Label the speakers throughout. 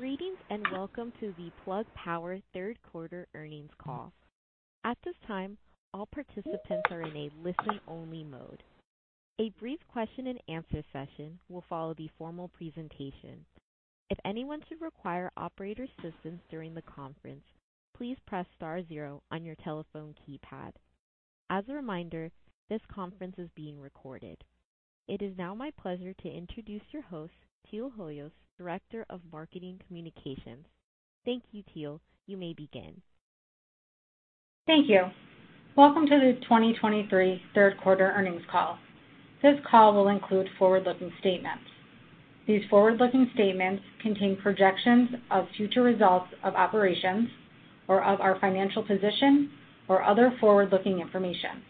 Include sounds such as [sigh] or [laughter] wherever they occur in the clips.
Speaker 1: Greetings, and welcome to the Plug Power Q3 Earnings Call. At this time, all participants are in a listen-only mode. A brief question-and-answer session will follow the formal presentation. If anyone should require operator assistance during the conference, please press star zero on your telephone keypad. As a reminder, this conference is being recorded. It is now my pleasure to introduce your host, Teal Hoyos, Director of Marketing Communications. Thank you, Teal. You may begin.
Speaker 2: Thank you. Welcome to the 2023 Q3 Earnings Call. This call will include forward-looking statements. These forward-looking statements contain projections of future results of operations or of our financial position or other forward-looking information.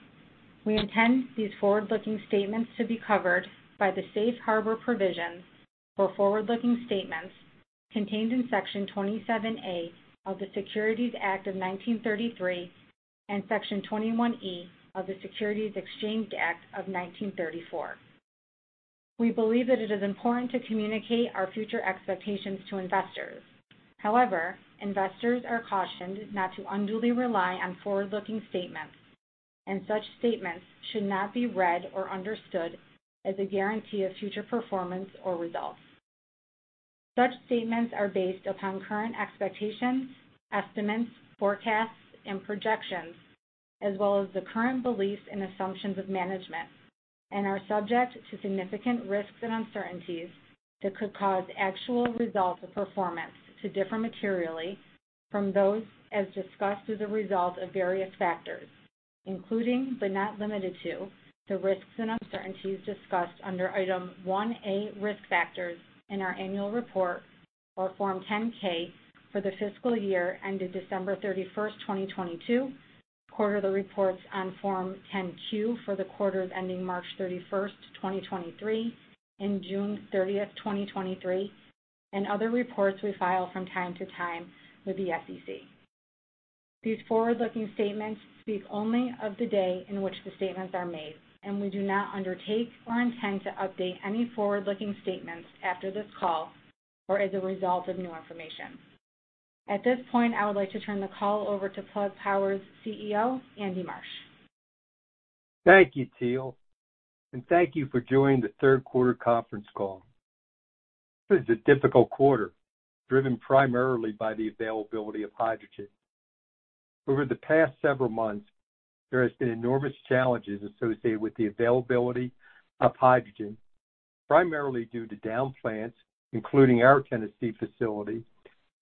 Speaker 2: We intend these forward-looking statements to be covered by the safe harbor provisions for forward-looking statements contained in Section 27A of the Securities Act of 1933 and Section 21E of the Securities Exchange Act of 1934. We believe that it is important to communicate our future expectations to investors. However, investors are cautioned not to unduly rely on forward-looking statements, and such statements should not be read or understood as a guarantee of future performance or results. Such statements are based upon current expectations, estimates, forecasts, and projections, as well as the current beliefs and assumptions of management, and are subject to significant risks and uncertainties that could cause actual results or performance to differ materially from those as discussed as a result of various factors, including, but not limited to, the risks and uncertainties discussed under Item 1A, Risk Factors in our annual report or Form 10-K for the fiscal year ended December 31, 2022, quarterly reports on Form 10-Q for the quarters ending March 31, 2023, and June 30, 2023, and other reports we file from time to time with the SEC. These forward-looking statements speak only of the day in which the statements are made, and we do not undertake or intend to update any forward-looking statements after this call or as a result of new information. At this point, I would like to turn the call over to Plug Power's CEO, Andy Marsh.
Speaker 3: Thank you, Teal, and thank you for joining the Q3 conference call. This is a difficult quarter, driven primarily by the availability of hydrogen. Over the past several months, there has been enormous challenges associated with the availability of hydrogen, primarily due to down plants, including our Tennessee facility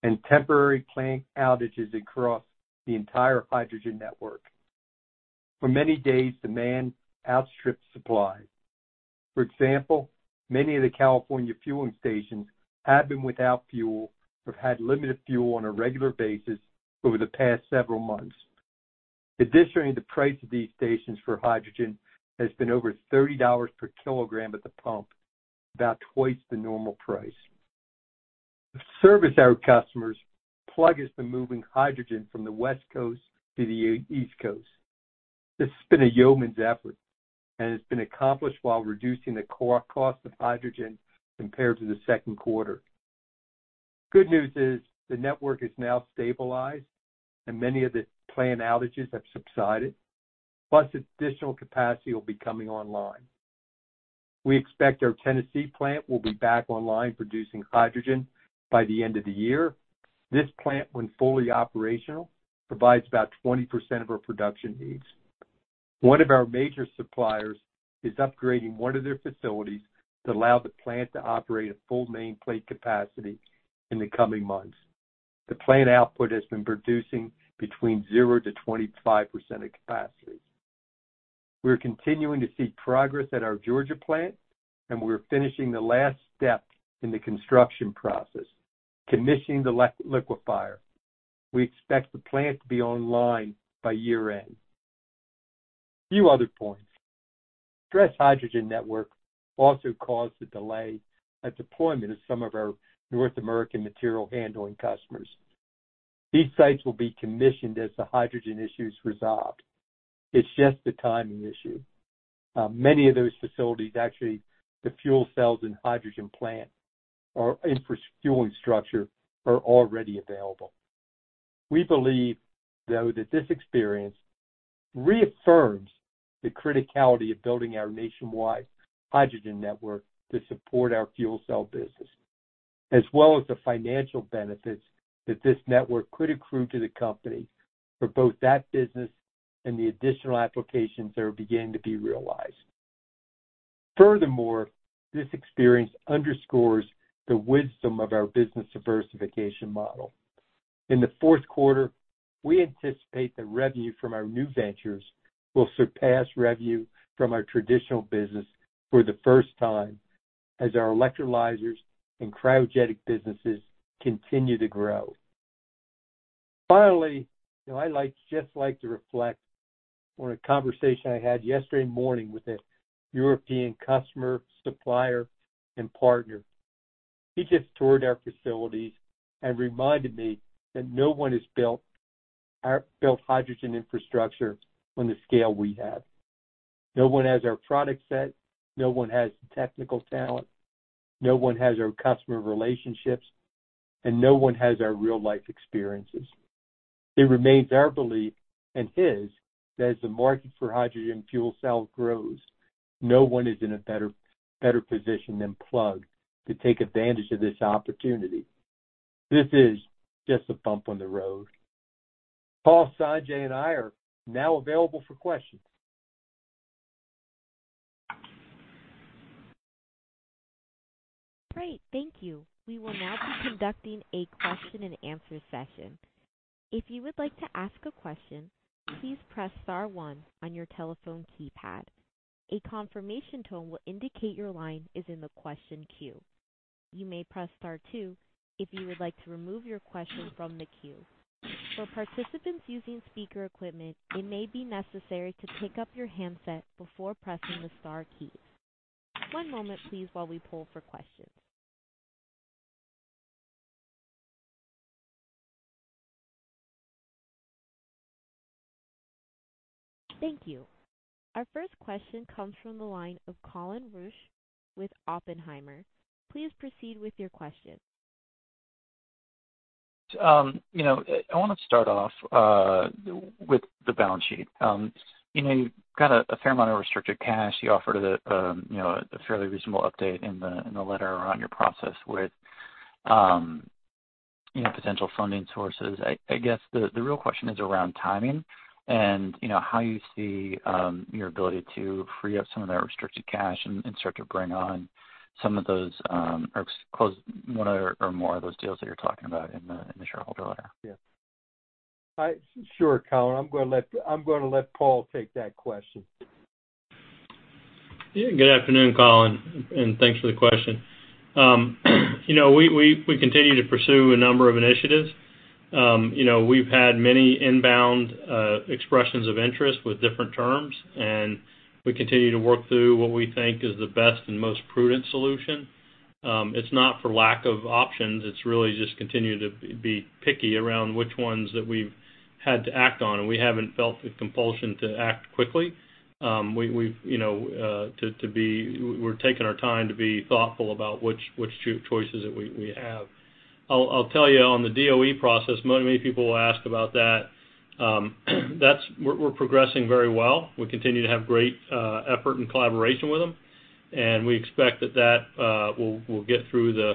Speaker 3: and temporary plant outages across the entire hydrogen network. For many days, demand outstripped supply. For example, many of the California fueling stations have been without fuel or have had limited fuel on a regular basis over the past several months. Additionally, the price of these stations for hydrogen has been over $30 per kilogram at the pump, about twice the normal price. To service our customers, Plug has been moving hydrogen from the West Coast to the East Coast. This has been a yeoman's effort, and it's been accomplished while reducing the cost of hydrogen compared to the Q2. Good news is, the network is now stabilized and many of the plant outages have subsided, plus additional capacity will be coming online. We expect our Tennessee plant will be back online producing hydrogen by the end of the year. This plant, when fully operational, provides about 20% of our production needs. One of our major suppliers is upgrading one of their facilities to allow the plant to operate at full nameplate capacity in the coming months. The plant output has been producing between 0%-25% of capacity. We are continuing to see progress at our Georgia plant, and we are finishing the last step in the construction process, commissioning the liquefier. We expect the plant to be online by year-end. A few other points. Stressed hydrogen network also caused a delay at deployment of some of our North American material handling customers. These sites will be commissioned as the hydrogen issue is resolved. It's just a timing issue. Many of those facilities, actually, the fuel cells and hydrogen plant or infrastructure are already available. We believe, though, that this experience reaffirms the criticality of building our nationwide hydrogen network to support our fuel cell business, as well as the financial benefits that this network could accrue to the company for both that business and the additional applications that are beginning to be realized. Furthermore, this experience underscores the wisdom of our business diversification model. In the Q4, we anticipate that revenue from our new ventures will surpass revenue from our traditional business for the first time, as our electrolyzers and cryogenic businesses continue to grow. Finally, you know, I'd like just like to reflect on a conversation I had yesterday morning with a European customer, supplier, and partner. He just toured our facilities and reminded me that no one has built our hydrogen infrastructure on the scale we have. No one has our product set, no one has the technical talent, no one has our customer relationships, and no one has our real-life experiences. It remains our belief, and his, that as the market for hydrogen fuel cells grows, no one is in a better, better position than Plug to take advantage of this opportunity. This is just a bump on the road. Paul, Sanjay, and I are now available for questions.
Speaker 1: Great, thank you. We will now be conducting a question and answer session. If you would like to ask a question, please press star one on your telephone keypad. A confirmation tone will indicate your line is in the question queue. You may press star two if you would like to remove your question from the queue. For participants using speaker equipment, it may be necessary to pick up your handset before pressing the star keys. One moment please, while we poll for questions. Thank you. Our first question comes from the line of Colin Rusch with Oppenheimer. Please proceed with your question.
Speaker 4: You know, I want to start off with the balance sheet. You know, you've got a fair amount of restricted cash. You offered a, you know, a fairly reasonable update in the letter around your process with, you know, potential funding sources. I guess the real question is around timing and, you know, how you see your ability to free up some of that restricted cash and start to bring on some of those, or close one or more of those deals that you're talking about in the shareholder letter?
Speaker 3: Yeah. Sure, Colin, I'm going to let, I'm going to let Paul take that question.
Speaker 5: Yeah. Good afternoon, Colin, and thanks for the question. You know, we continue to pursue a number of initiatives. You know, we've had many inbound expressions of interest with different terms, and we continue to work through what we think is the best and most prudent solution. It's not for lack of options. It's really just continue to be picky around which ones that we've had to act on, and we haven't felt the compulsion to act quickly. You know, we're taking our time to be thoughtful about which choices that we have. I'll tell you on the DOE process, many people ask about that. That's... We're progressing very well. We continue to have great effort and collaboration with them, and we expect that that will get through the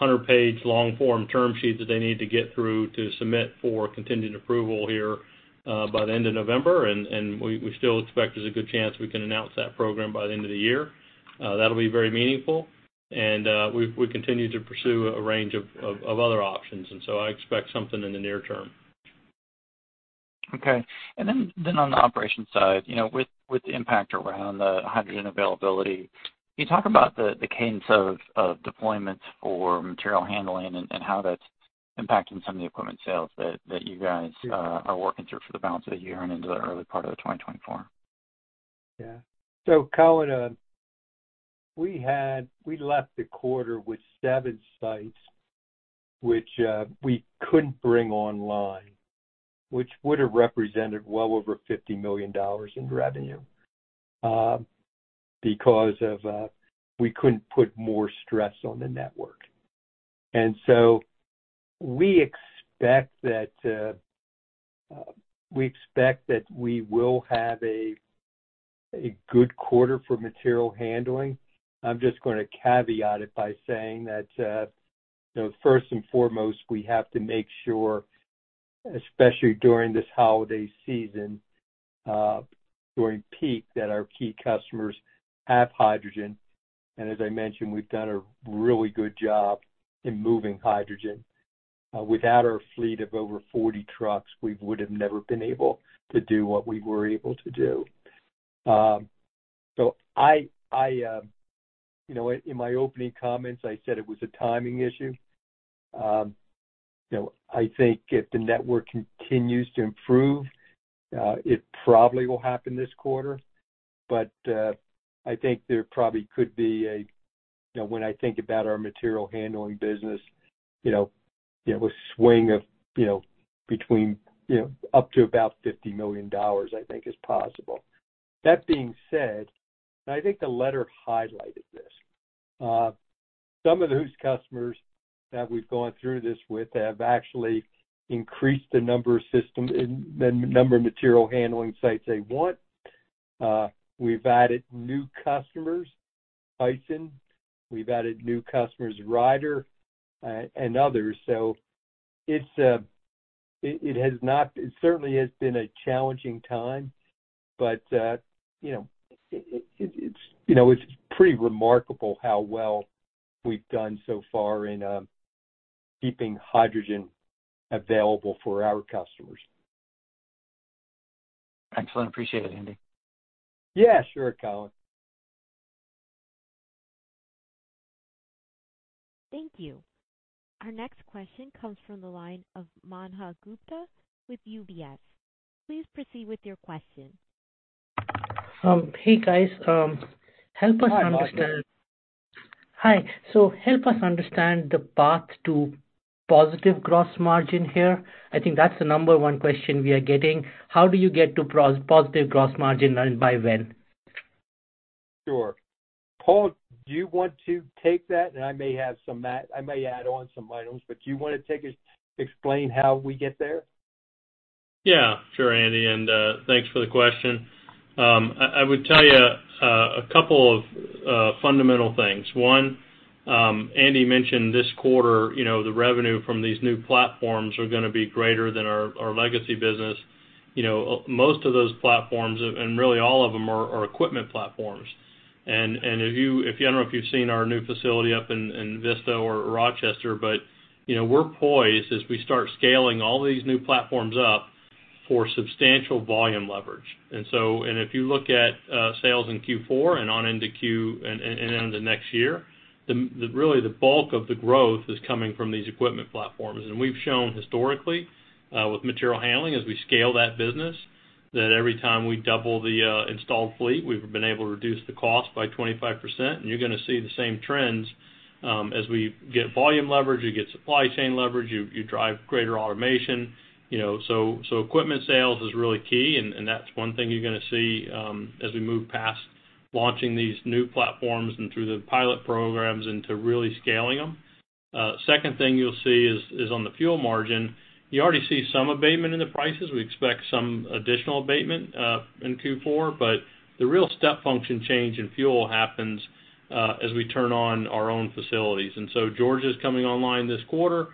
Speaker 5: 100-page long form term sheet that they need to get through to submit for contingent approval here by the end of November. And we still expect there's a good chance we can announce that program by the end of the year. That'll be very meaningful and we continue to pursue a range of other options, and so I expect something in the near term.
Speaker 4: Okay. Then on the operations side, you know, with the impact around the hydrogen availability, can you talk about the cadence of deployments for Material Handling and how that's impacting some of the equipment sales that you guys-
Speaker 3: Yeah
Speaker 4: are working through for the balance of the year and into the early part of 2024?
Speaker 3: Yeah. So Colin, we had, we left the quarter with seven sites which we couldn't bring online, which would have represented well over $50 million in revenue, because we couldn't put more stress on the network. And so we expect that we will have a good quarter for material handling. I'm just going to caveat it by saying that, you know, first and foremost, we have to make sure, especially during this holiday season, during peak, that our key customers have hydrogen. And as I mentioned, we've done a really good job in moving hydrogen. Without our fleet of over 40 trucks, we would have never been able to do what we were able to do. So I, you know, in my opening comments, I said it was a timing issue. You know, I think if the network continues to improve, it probably will happen this quarter, but I think there probably could be a, you know, when I think about our material handling business, you know, it was swing of, you know, between, you know, up to about $50 million, I think is possible. That being said, I think the letter highlighted this, some of those customers that we've gone through this with have actually increased the number of systems and the number of material handling sites they want. We've added new customers, Tyson. We've added new customers, Ryder, and others. So it's, you know, it's pretty remarkable how well we've done so far in keeping hydrogen available for our customers.
Speaker 4: Excellent. Appreciate it, Andy.
Speaker 3: Yeah, sure, Colin.
Speaker 1: Thank you. Our next question comes from the line of Manav Gupta with UBS. Please proceed with your question.
Speaker 6: Hey, guys. Help us understand the path to positive gross margin here. I think that's the number one question we are getting. How do you get to positive gross margin, and by when?
Speaker 3: Sure. Paul, do you want to take that? And I may have some—I may add on some items, but do you want to take it, explain how we get there?
Speaker 5: Yeah, sure, Andy, and, thanks for the question. I, I would tell you, a couple of, fundamental things. One, Andy mentioned this quarter, you know, the revenue from these new platforms are gonna be greater than our, our legacy business. You know, most of those platforms, and, and really all of them are, are equipment platforms. And, and if you, if you-- I don't know if you've seen our new facility up in, in Vista or Rochester, but, you know, we're poised as we start scaling all these new platforms up for substantial volume leverage. And so, and if you look at, sales in Q4 and on into Q... and, and into next year, the, the really, the bulk of the growth is coming from these equipment platforms. And we've shown historically, with Material Handling, as we scale that business, that every time we double the installed fleet, we've been able to reduce the cost by 25%. And you're gonna see the same trends, as we get volume leverage, you get supply chain leverage, you, you drive greater automation, you know. So, so equipment sales is really key, and, and that's one thing you're gonna see, as we move past launching these new platforms and through the pilot programs into really scaling them. Second thing you'll see is, is on the fuel margin. You already see some abatement in the prices. We expect some additional abatement, in Q4, but the real step function change in fuel happens, as we turn on our own facilities. And so Georgia is coming online this quarter.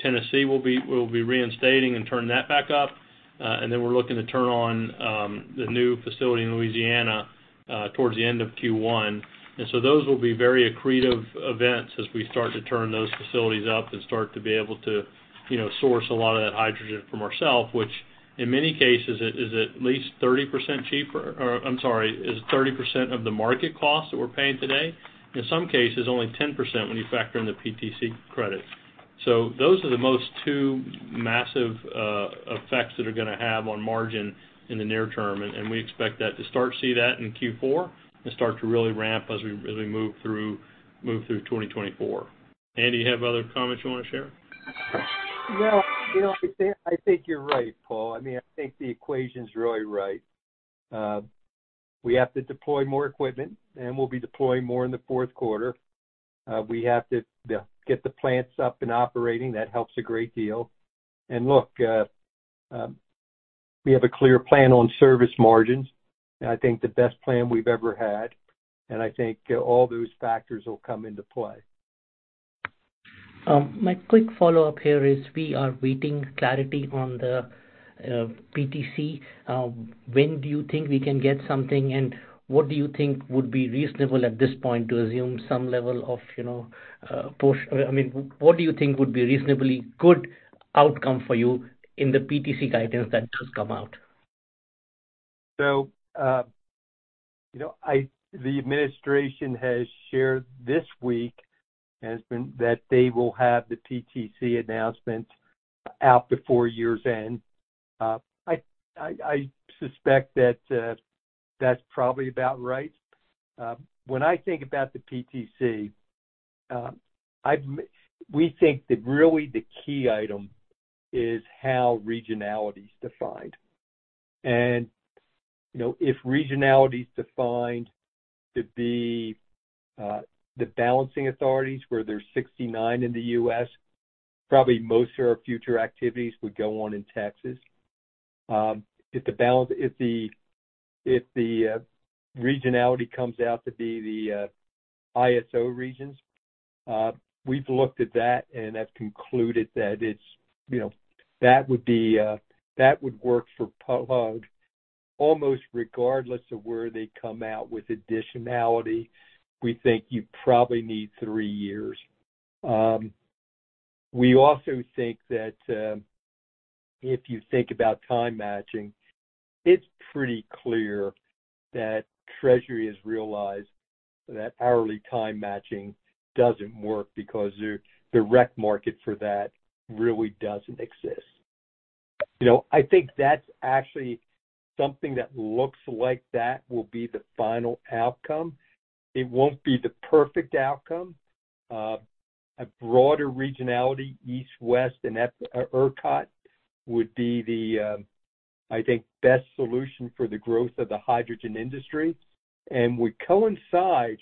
Speaker 5: Tennessee will be, we'll be reinstating and turning that back up. And then we're looking to turn on the new facility in Louisiana towards the end of Q1. And so those will be very accretive events as we start to turn those facilities up and start to be able to, you know, source a lot of that hydrogen from ourself, which in many cases is at least 30% cheaper, or I'm sorry, is 30% of the market cost that we're paying today. In some cases, only 10% when you factor in the PTC credits. So those are the most two massive effects that are gonna have on margin in the near term, and we expect that to start to see that in Q4 and start to really ramp as we, as we move through, move through 2024. Andy, you have other comments you want to share?
Speaker 3: Well, you know, I think, I think you're right, Paul. I mean, I think the equation's really right. We have to deploy more equipment, and we'll be deploying more in the Q4. We have to get the plants up and operating. That helps a great deal. And look, we have a clear plan on service margins, and I think the best plan we've ever had, and I think all those factors will come into play.
Speaker 6: My quick follow-up here is: we are waiting clarity on the PTC. When do you think we can get something, and what do you think would be reasonable at this point to assume some level of, you know, push? I mean, what do you think would be reasonably good outcome for you in the PTC guidance that does come out?
Speaker 3: So, you know, the administration has shared this week has been that they will have the PTC announcement out before year's end. I suspect that that's probably about right. When I think about the PTC, we think that really the key item is how regionality is defined. And, you know, if regionality is defined to be the balancing authorities, where there's 69 in the U.S., probably most of our future activities would go on in Texas. If the regionality comes out to be the ISO regions, we've looked at that and have concluded that it's, you know, that would work for Plug almost regardless of where they come out with additionality. We think you probably need three years. We also think that, if you think about time matching, it's pretty clear that Treasury has realized that hourly time matching doesn't work because the, the REC market for that really doesn't exist. You know, I think that's actually something that looks like that will be the final outcome. It won't be the perfect outcome. A broader regionality, East, West, and ERCOT would be the, I think, best solution for the growth of the hydrogen industry. And would coincide,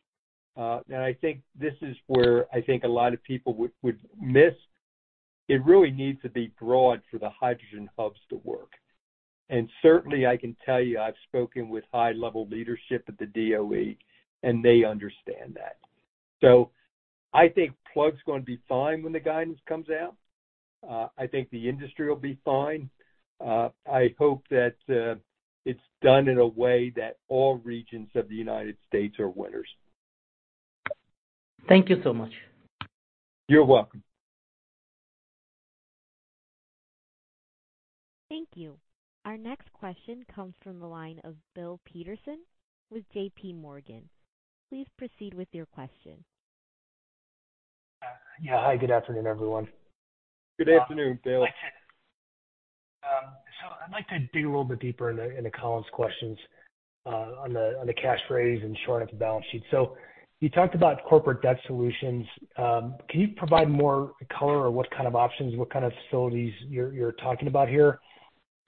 Speaker 3: and I think this is where I think a lot of people would, would miss. It really needs to be broad for the hydrogen hubs to work. And certainly, I can tell you, I've spoken with high-level leadership at the DOE, and they understand that. So I think Plug's gonna be fine when the guidance comes out. I think the industry will be fine. I hope that it's done in a way that all regions of the United States are winners.
Speaker 6: Thank you so much.
Speaker 3: You're welcome.
Speaker 1: Thank you. Our next question comes from the line of Bill Peterson with JP Morgan. Please proceed with your question.
Speaker 7: Yeah. Hi, good afternoon, everyone.
Speaker 5: Good afternoon, Bill. ...
Speaker 7: I'd like to dig a little bit deeper into Colin's questions on the cash raise and shoring up the balance sheet. So you talked about corporate debt solutions. Can you provide more color on what kind of options, what kind of facilities you're talking about here?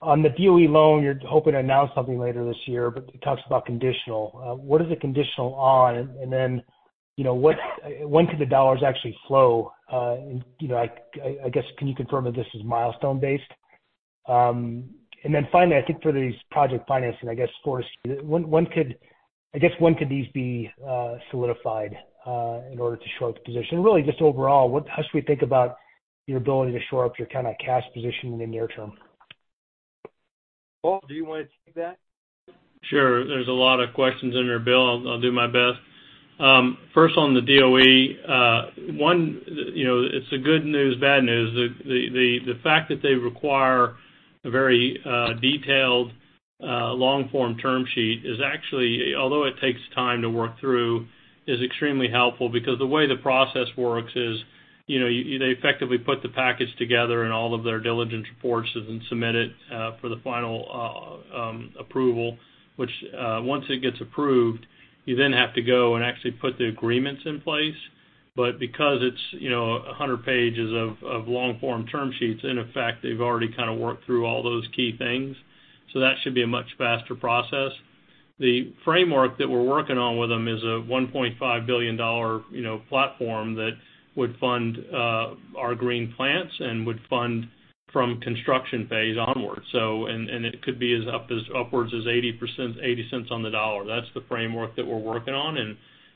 Speaker 7: On the DOE loan, you're hoping to announce something later this year, but it talks about conditional. What is it conditional on? And then, you know, what-- when could the dollars actually flow? You know, I guess, can you confirm that this is milestone-based? And then finally, I think for these project financing sources, I guess, when could these be solidified in order to shore up the position? Really, just overall, how should we think about your ability to shore up your kind of cash position in the near term?
Speaker 3: Paul, do you want to take that?
Speaker 5: Sure. There's a lot of questions in there, Bill. I'll do my best. First, on the DOE, one, you know, it's a good news, bad news. The fact that they require a very detailed long-form term sheet is actually, although it takes time to work through, is extremely helpful. Because the way the process works is, you know, you, they effectively put the package together and all of their diligence reports and submit it for the final approval. Which, once it gets approved, you then have to go and actually put the agreements in place. But because it's, you know, 100 pages of long-form term sheets, in effect, they've already kind of worked through all those key things. So that should be a much faster process. The framework that we're working on with them is a $1.5 billion, you know, platform that would fund our green plants and would fund from construction phase onwards. So... And, and it could be as up as upwards as 80%, $0.80 on the dollar. That's the framework that we're working on, and,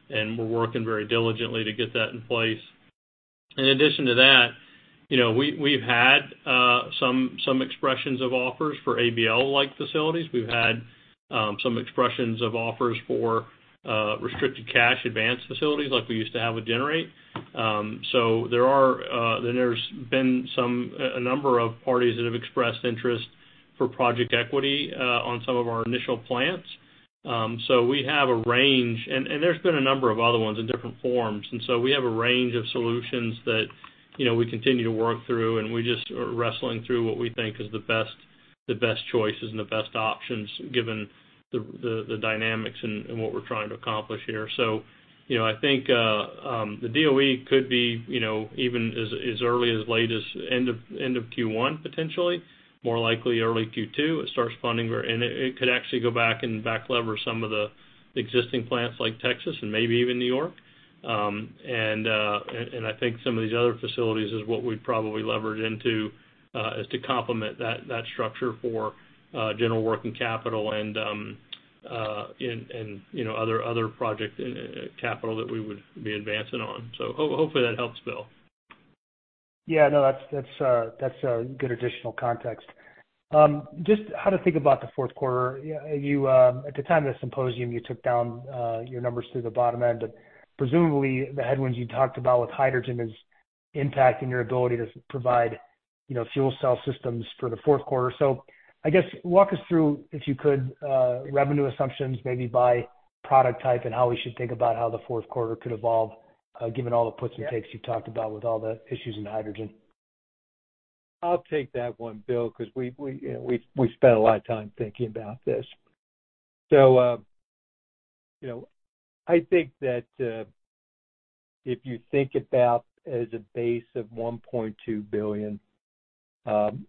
Speaker 5: and we're working very diligently to get that in place. In addition to that, you know, we, we've had some expressions of offers for ABL-like facilities. We've had some expressions of offers for restricted cash advance facilities like we used to have with Generate. So there are then some, a number of parties that have expressed interest for project equity on some of our initial plants. So we have a range, and there's been a number of other ones in different forms. And so we have a range of solutions that, you know, we continue to work through, and we just are wrestling through what we think is the best, the best choices and the best options, given the dynamics and what we're trying to accomplish here. So, you know, I think the DOE could be, you know, even as early as late as end of Q1, potentially, more likely early Q2. It starts funding where and it could actually go back and back lever some of the existing plants like Texas and maybe even New York. I think some of these other facilities is what we'd probably leverage into is to complement that structure for general working capital and, you know, other project and capital that we would be advancing on. So hopefully that helps, Bill.
Speaker 7: Yeah. No, that's, that's, that's a good additional context. Just how to think about the Q4. You, at the time of the symposium, you took down your numbers through the bottom end, but presumably, the headwinds you talked about with hydrogen is impacting your ability to provide, you know, fuel cell systems for the Q4. So I guess walk us through, if you could, revenue assumptions, maybe by product type and how we should think about how the Q4 could evolve, given all the puts and takes you talked about with all the issues in hydrogen.
Speaker 3: I'll take that one, Bill, because we you know we've spent a lot of time thinking about this. So, you know, I think that, if you think about as a base of $1.2 billion,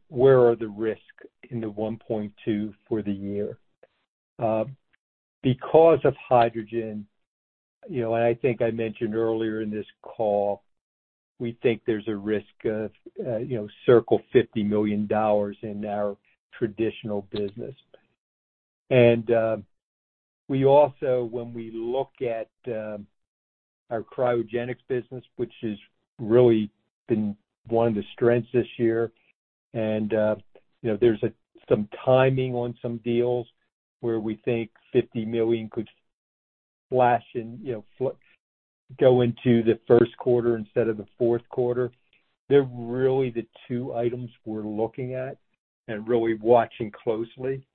Speaker 3: where are the risks in the $1.2 billion for the year? Because of hydrogen, you know, and I think I mentioned earlier in this call, we think there's a risk of, you know, circa $50 million in our traditional business. And, we also, when we look at, our cryogenics business, which has really been one of the strengths this year, and, you know, there's a-- some timing on some deals where we think $50 million could flash and, you know, go into the Q1 instead of the Q4. They're really the two items we're looking at and really watching closely.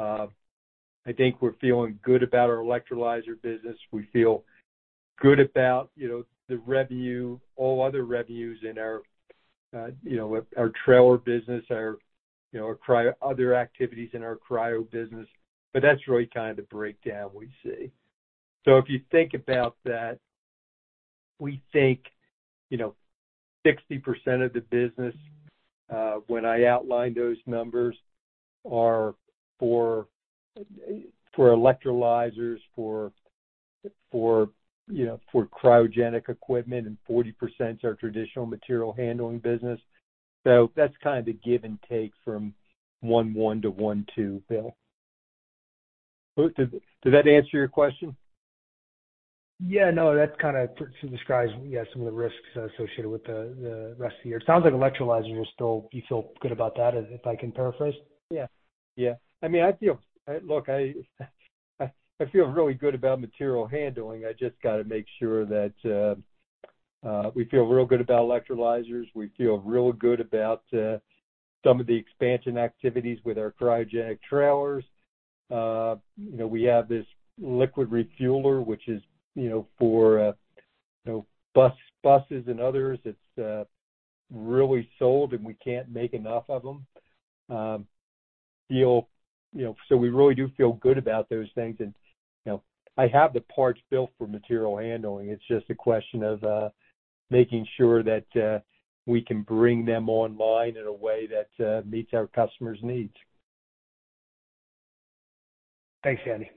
Speaker 3: I think we're feeling good about our electrolyzer business. We feel good about, you know, the revenue, all other revenues in our, you know, our trailer business, our, you know, our cryo other activities in our cryo business, but that's really kind of the breakdown we see. So if you think about that, we think, you know, 60% of the business, when I outlined those numbers, are for, for electrolyzers, for, for, you know, for cryogenic equipment, and 40% is our traditional material handling business. So that's kind of the give and take from 1-1 to 1-2, Bill. Did that answer your question?
Speaker 7: Yeah. No, that's kind of describes, yeah, some of the risks associated with the, the rest of the year. It sounds like electrolyzers are still... You feel good about that, if I can paraphrase?
Speaker 3: Yeah. Yeah. I mean, I feel. Look, I feel really good about material handling. I just got to make sure that we feel real good about electrolyzers. We feel real good about some of the expansion activities with our cryogenic trailers. You know, we have this liquid refueler, which is, you know, for buses and others. It's really sold, and we can't make enough of them. You know, so we really do feel good about those things. And, you know, I have the parts built for material handling. It's just a question of making sure that we can bring them online in a way that meets our customers' needs.
Speaker 7: Thanks, Andy.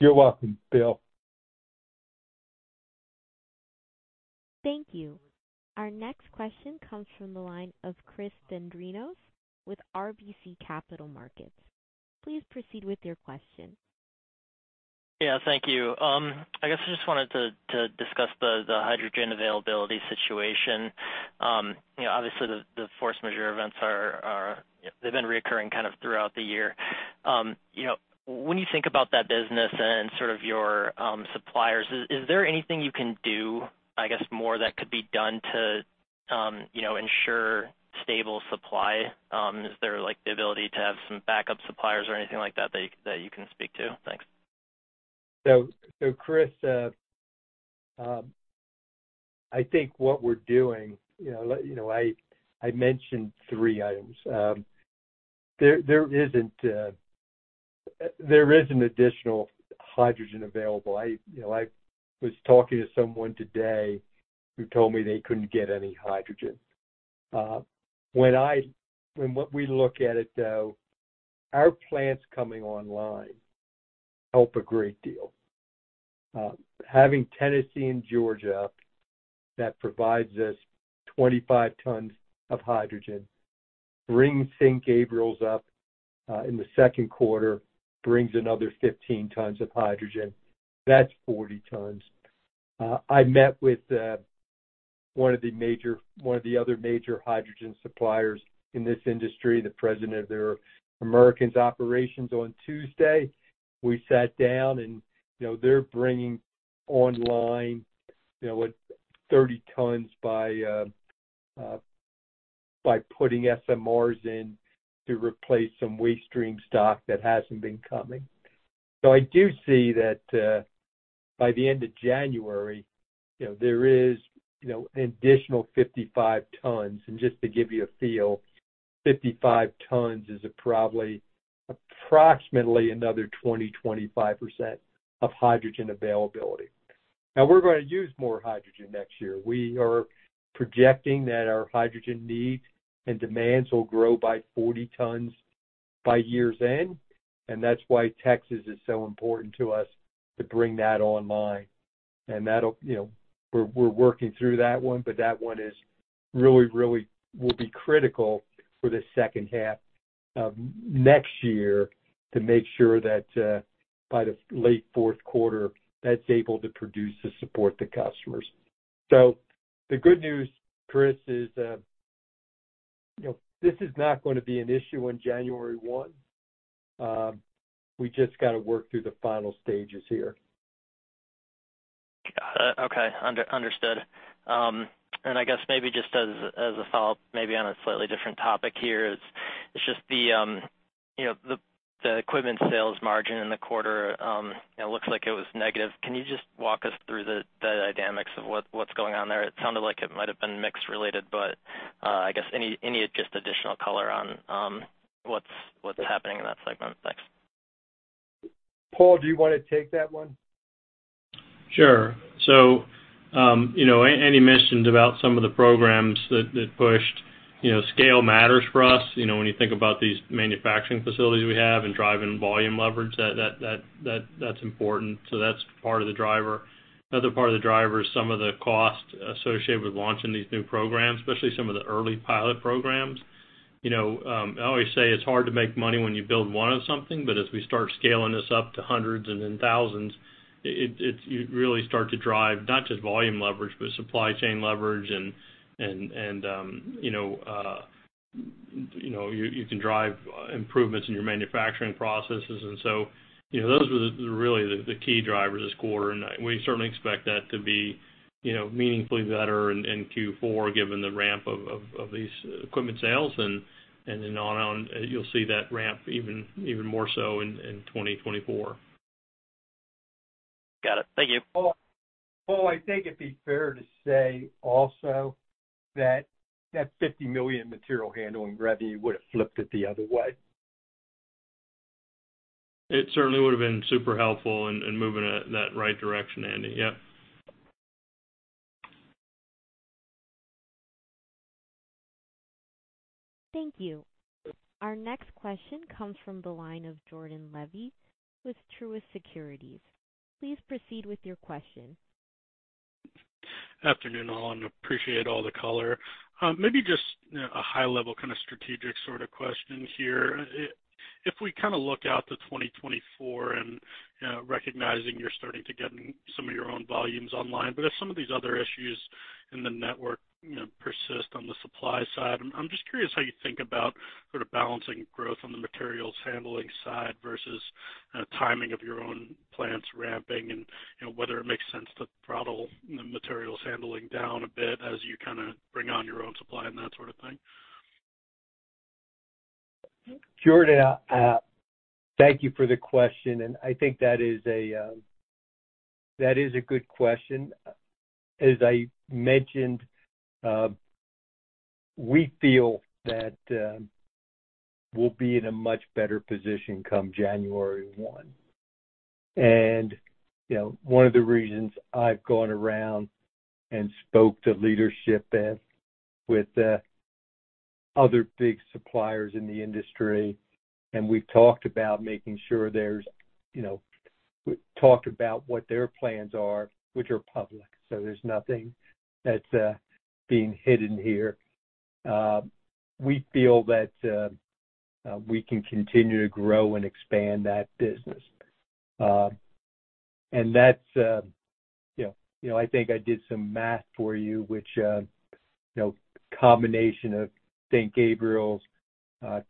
Speaker 3: You're welcome, Bill.
Speaker 1: Thank you. Our next question comes from the line of Chris Dendrinos with RBC Capital Markets. Please proceed with your question.
Speaker 8: Yeah, thank you. I guess I just wanted to discuss the hydrogen availability situation. You know, obviously, the force majeure events are, they've been reoccurring kind of throughout the year. You know, when you think about that business and sort of your suppliers, is there anything you can do, I guess, more that could be done to, you know, ensure stable supply? Is there, like, the ability to have some backup suppliers or anything like that that you can speak to? Thanks.
Speaker 3: So, Chris, I think what we're doing, you know, let you know, I mentioned three items. There isn't additional hydrogen available. You know, I was talking to someone today who told me they couldn't get any hydrogen. When we look at it, though, our plants coming online help a great deal. Having Tennessee and Georgia, that provides us 25 tons of hydrogen. Bring St. Gabriel up in the Q2, brings another 15 tons of hydrogen. That's 40 tons. I met with one of the major, one of the other major hydrogen suppliers in this industry, the president of their American operations on Tuesday. We sat down and, you know, they're bringing online, you know, what, 30 tons by, by putting SMRs in to replace some waste stream stock that hasn't been coming. So I do see that, by the end of January, you know, there is, you know, an additional 55 tons. And just to give you a feel, 55 tons is probably approximately another 20%-25% of hydrogen availability. Now, we're going to use more hydrogen next year. We are projecting that our hydrogen needs and demands will grow by 40 tons by year's end, and that's why Texas is so important to us to bring that online. And that'll, you know, we're working through that one, but that one is really, really will be critical for the second half of next year to make sure that by the late Q4, that's able to produce to support the customers. So the good news, Chris, is, you know, this is not going to be an issue on January one. We just got to work through the final stages here.
Speaker 8: Got it. Okay, understood. And I guess maybe just as, as a follow-up, maybe on a slightly different topic here, is it's just the, you know, the, the equipment sales margin in the quarter, it looks like it was negative. Can you just walk us through the, the dynamics of what, what's going on there? It sounded like it might have been mix related, but, I guess any, any just additional color on, what's, what's happening in that segment? Thanks.
Speaker 3: Paul, do you want to take that one?
Speaker 5: Sure. So, you know, Andy mentioned about some of the programs that pushed, you know, scale matters for us. You know, when you think about these manufacturing facilities we have and driving volume leverage, that's important. So that's part of the driver. Another part of the driver is some of the cost associated with launching these new programs, especially some of the early pilot programs. You know, I always say it's hard to make money when you build one of something, but as we start scaling this up to hundreds and then thousands, you really start to drive not just volume leverage, but supply chain leverage and, you know, you can drive improvements in your manufacturing processes. And so, you know, those were really the key drivers this quarter, and we certainly expect that to be, you know, meaningfully better in Q4, given the ramp of these equipment sales. And then on, you'll see that ramp even more so in 2024.
Speaker 8: Got it. Thank you.
Speaker 3: Paul, Paul, I think it'd be fair to say also that that $50 million material handling revenue would have flipped it the other way.
Speaker 5: It certainly would have been super helpful in moving it in that right direction, Andy. Yep.
Speaker 1: Thank you. Our next question comes from the line of Jordan Levy with Truist Securities. Please proceed with your question.
Speaker 9: Afternoon, all, and appreciate all the color. Maybe just, you know, a high-level kind of strategic sort of question here. If we kind of look out to 2024 and, recognizing you're starting to get some of your own volumes online, but if some of these other issues in the network, you know, persist on the supply side, I'm just curious how you think about sort of balancing growth on the materials handling side versus, timing of your own plants ramping and, you know, whether it makes sense to throttle the materials handling down a bit as you kind of bring on your own supply and that sort of thing?...
Speaker 3: Jordan, thank you for the question, and I think that is a good question. As I mentioned, we feel that we'll be in a much better position come January one. And, you know, one of the reasons I've gone around and spoke to leadership and with other big suppliers in the industry, and we've talked about making sure there's, you know, we talked about what their plans are, which are public, so there's nothing that's being hidden here. We feel that we can continue to grow and expand that business. And that's, you know, you know, I think I did some math for you, which, you know, combination of St. Gabriel's,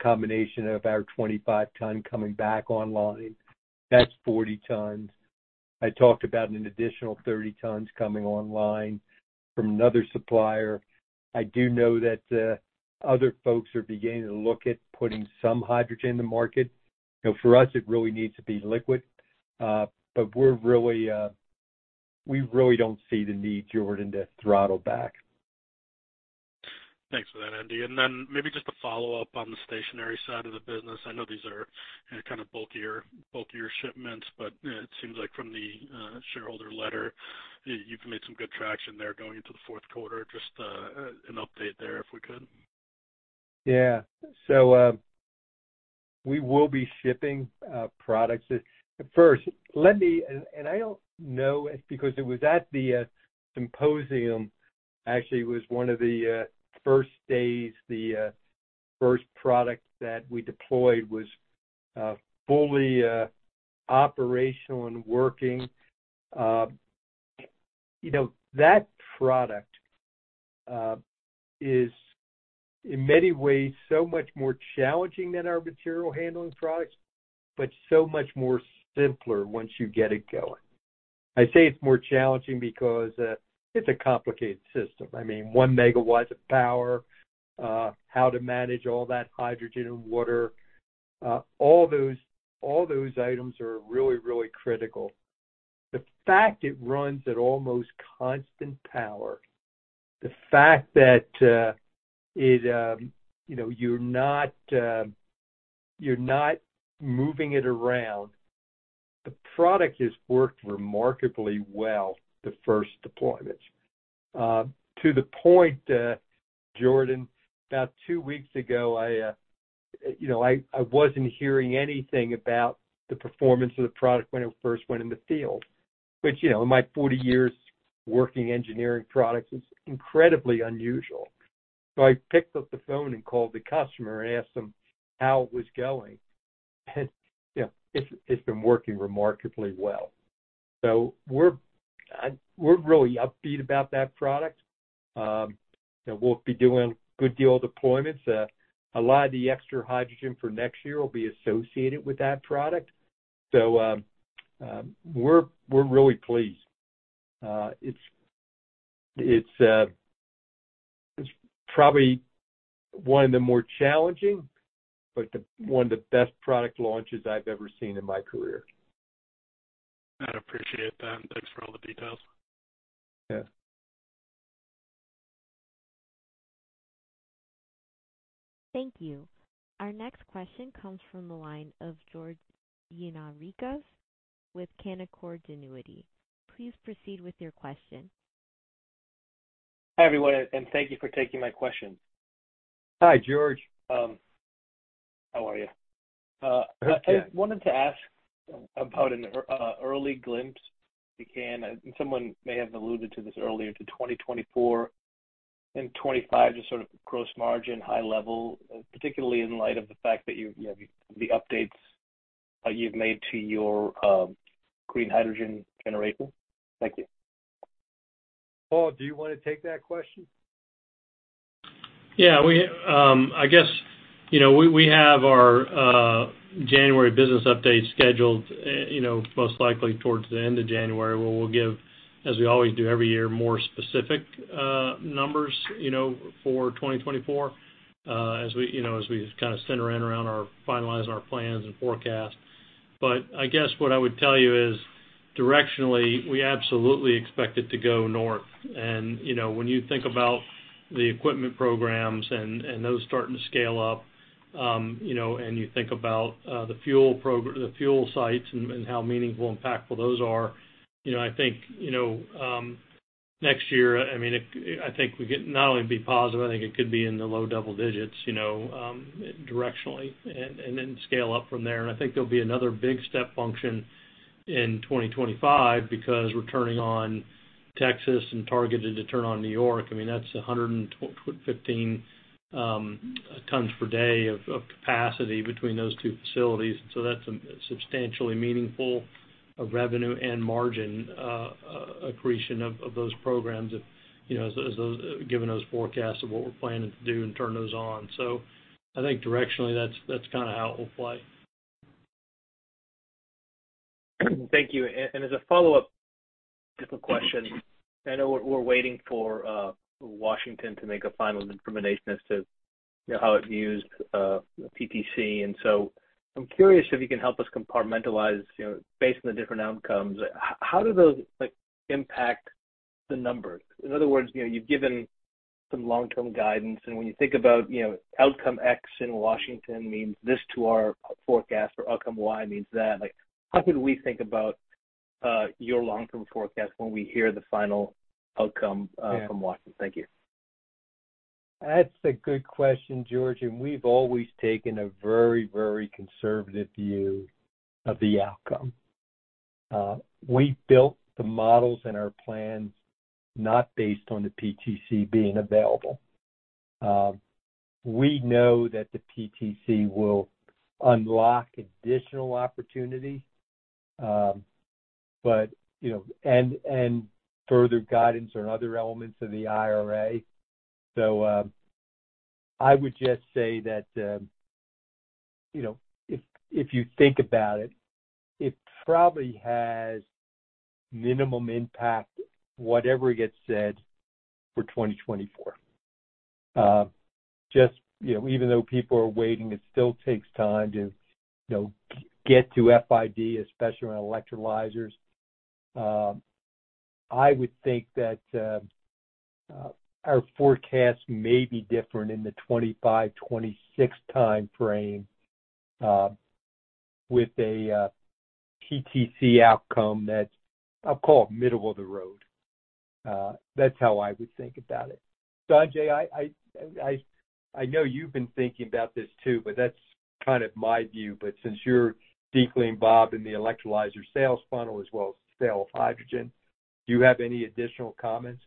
Speaker 3: combination of our 25-ton coming back online, that's 40 tons. I talked about an additional 30 tons coming online from another supplier. I do know that other folks are beginning to look at putting some hydrogen in the market. You know, for us, it really needs to be liquid. But we're really, we really don't see the need, Jordan, to throttle back.
Speaker 9: Thanks for that, Andy. And then maybe just a follow-up on the stationary side of the business. I know these are kind of bulkier, bulkier shipments, but it seems like from the shareholder letter, you've made some good traction there going into the Q4. Just an update there, if we could.
Speaker 3: Yeah. So, we will be shipping products. First, let me- and, and I don't know, because it was at the symposium, actually, it was one of the first days, the first product that we deployed was fully operational and working. You know, that product is in many ways so much more challenging than our material handling products, but so much more simpler once you get it going. I say it's more challenging because it's a complicated system. I mean, one megawatt of power, how to manage all that hydrogen and water, all those, all those items are really, really critical. The fact it runs at almost constant power, the fact that, you know, you're not, you're not moving it around, the product has worked remarkably well, the first deployments. To the point, Jordan, about two weeks ago, I, you know, I wasn't hearing anything about the performance of the product when it first went in the field, which, you know, in my 40 years working engineering products, is incredibly unusual. So I picked up the phone and called the customer and asked them how it was going. And, you know, it's been working remarkably well. So we're really upbeat about that product. And we'll be doing a good deal of deployments. A lot of the extra hydrogen for next year will be associated with that product. So, we're really pleased. It's probably one of the more challenging, but one of the best product launches I've ever seen in my career.
Speaker 9: I'd appreciate that, and thanks for all the details.
Speaker 3: Yeah.
Speaker 1: Thank you. Our next question comes from the line of George Gianarikas with Canaccord Genuity. Please proceed with your question.
Speaker 10: Hi, everyone, and thank you for taking my question.
Speaker 3: Hi, George.
Speaker 10: How are you?
Speaker 3: Good.
Speaker 10: I wanted to ask about an early glimpse, if you can, and someone may have alluded to this earlier, to 2024 and 2025, just sort of gross margin, high level, particularly in light of the fact that you, you know, the updates you've made to your green hydrogen generator. Thank you.
Speaker 3: Paul, do you want to take that question?
Speaker 5: Yeah, we, I guess, you know, we have our January business update scheduled, you know, most likely towards the end of January, where we'll give, as we always do every year, more specific numbers, you know, for 2024. As we, you know, as we kind of center in around our finalizing our plans and forecast. But I guess what I would tell you is directionally, we absolutely expect it to go north. You know, when you think about the equipment programs and those starting to scale up, you know, and you think about the fuel sites and how meaningful, impactful those are, you know, I think, you know, next year, I mean, it, I think we could not only be positive, I think it could be in the low double digits, you know, directionally, and then scale up from there. And I think there'll be another big step function in 2025, because we're turning on Texas and targeted to turn on New York. I mean, that's 125 tons per day of capacity between those two facilities. So that's a substantially meaningful revenue and margin accretion of those programs, if you know, as those given those forecasts of what we're planning to do and turn those on. So I think directionally, that's kind of how it will play....
Speaker 10: Thank you. And as a follow-up type of question, I know we're waiting for Washington to make a final determination as to, you know, how it views PTC. And so I'm curious if you can help us compartmentalize, you know, based on the different outcomes, how do those, like, impact the numbers? In other words, you know, you've given some long-term guidance, and when you think about, you know, outcome X in Washington means this to our forecast, or outcome Y means that, like, how could we think about your long-term forecast when we hear the final outcome from Washington? Thank you.
Speaker 3: That's a good question, George, and we've always taken a very, very conservative view of the outcome. We built the models and our plans not based on the PTC being available. We know that the PTC will unlock additional opportunity, but, you know, and, and further guidance on other elements of the IRA. So, I would just say that, you know, if, if you think about it, it probably has minimum impact, whatever gets said, for 2024. Just, you know, even though people are waiting, it still takes time to, you know, get to FID, especially on electrolyzers. I would think that, our forecast may be different in the 2025, 2026 time frame, with a, PTC outcome that's, I'll call it, middle of the road. That's how I would think about it. Sanjay, I know you've been thinking about this too, but that's kind of my view. But since you're deeply involved in the electrolyzer sales funnel as well as the sale of hydrogen, do you have any additional comments?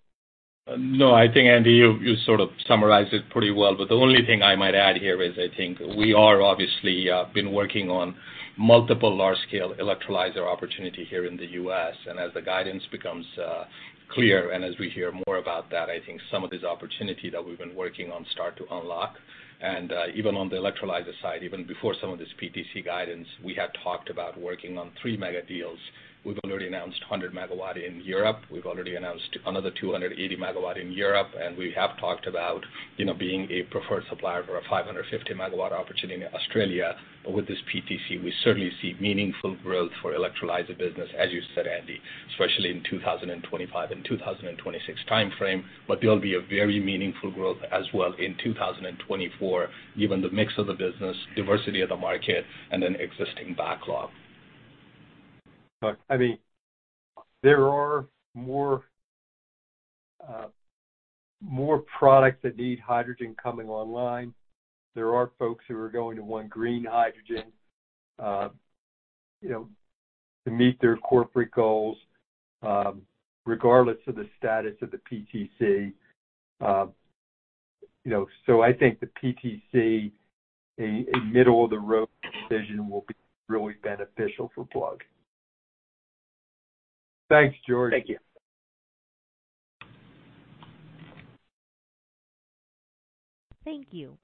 Speaker 11: No, I think, Andy, you, you sort of summarized it pretty well. But the only thing I might add here is I think we are obviously been working on multiple large-scale electrolyzer opportunity here in the U.S. And as the guidance becomes clear, and as we hear more about that, I think some of these opportunity that we've been working on start to unlock. And even on the electrolyzer side, even before some of this PTC guidance, we had talked about working on three mega deals. We've already announced 100 MW in Europe. We've already announced another 280 MW in Europe, and we have talked about, you know, being a preferred supplier for a 550 MW opportunity in Australia. With this PTC, we certainly see meaningful growth for electrolyzer business, as you said, Andy, especially in 2025 and 2026 timeframe. But there'll be a very meaningful growth as well in 2024, given the mix of the business, diversity of the market, and then existing backlog.
Speaker 3: Look, I mean, there are more products that need hydrogen coming online. There are folks who are going to want green hydrogen, you know, to meet their corporate goals, regardless of the status of the PTC. You know, so I think the PTC, a middle-of-the-road decision will be really beneficial for Plug. Thanks, George.
Speaker 10: Thank you.
Speaker 1: Thank you.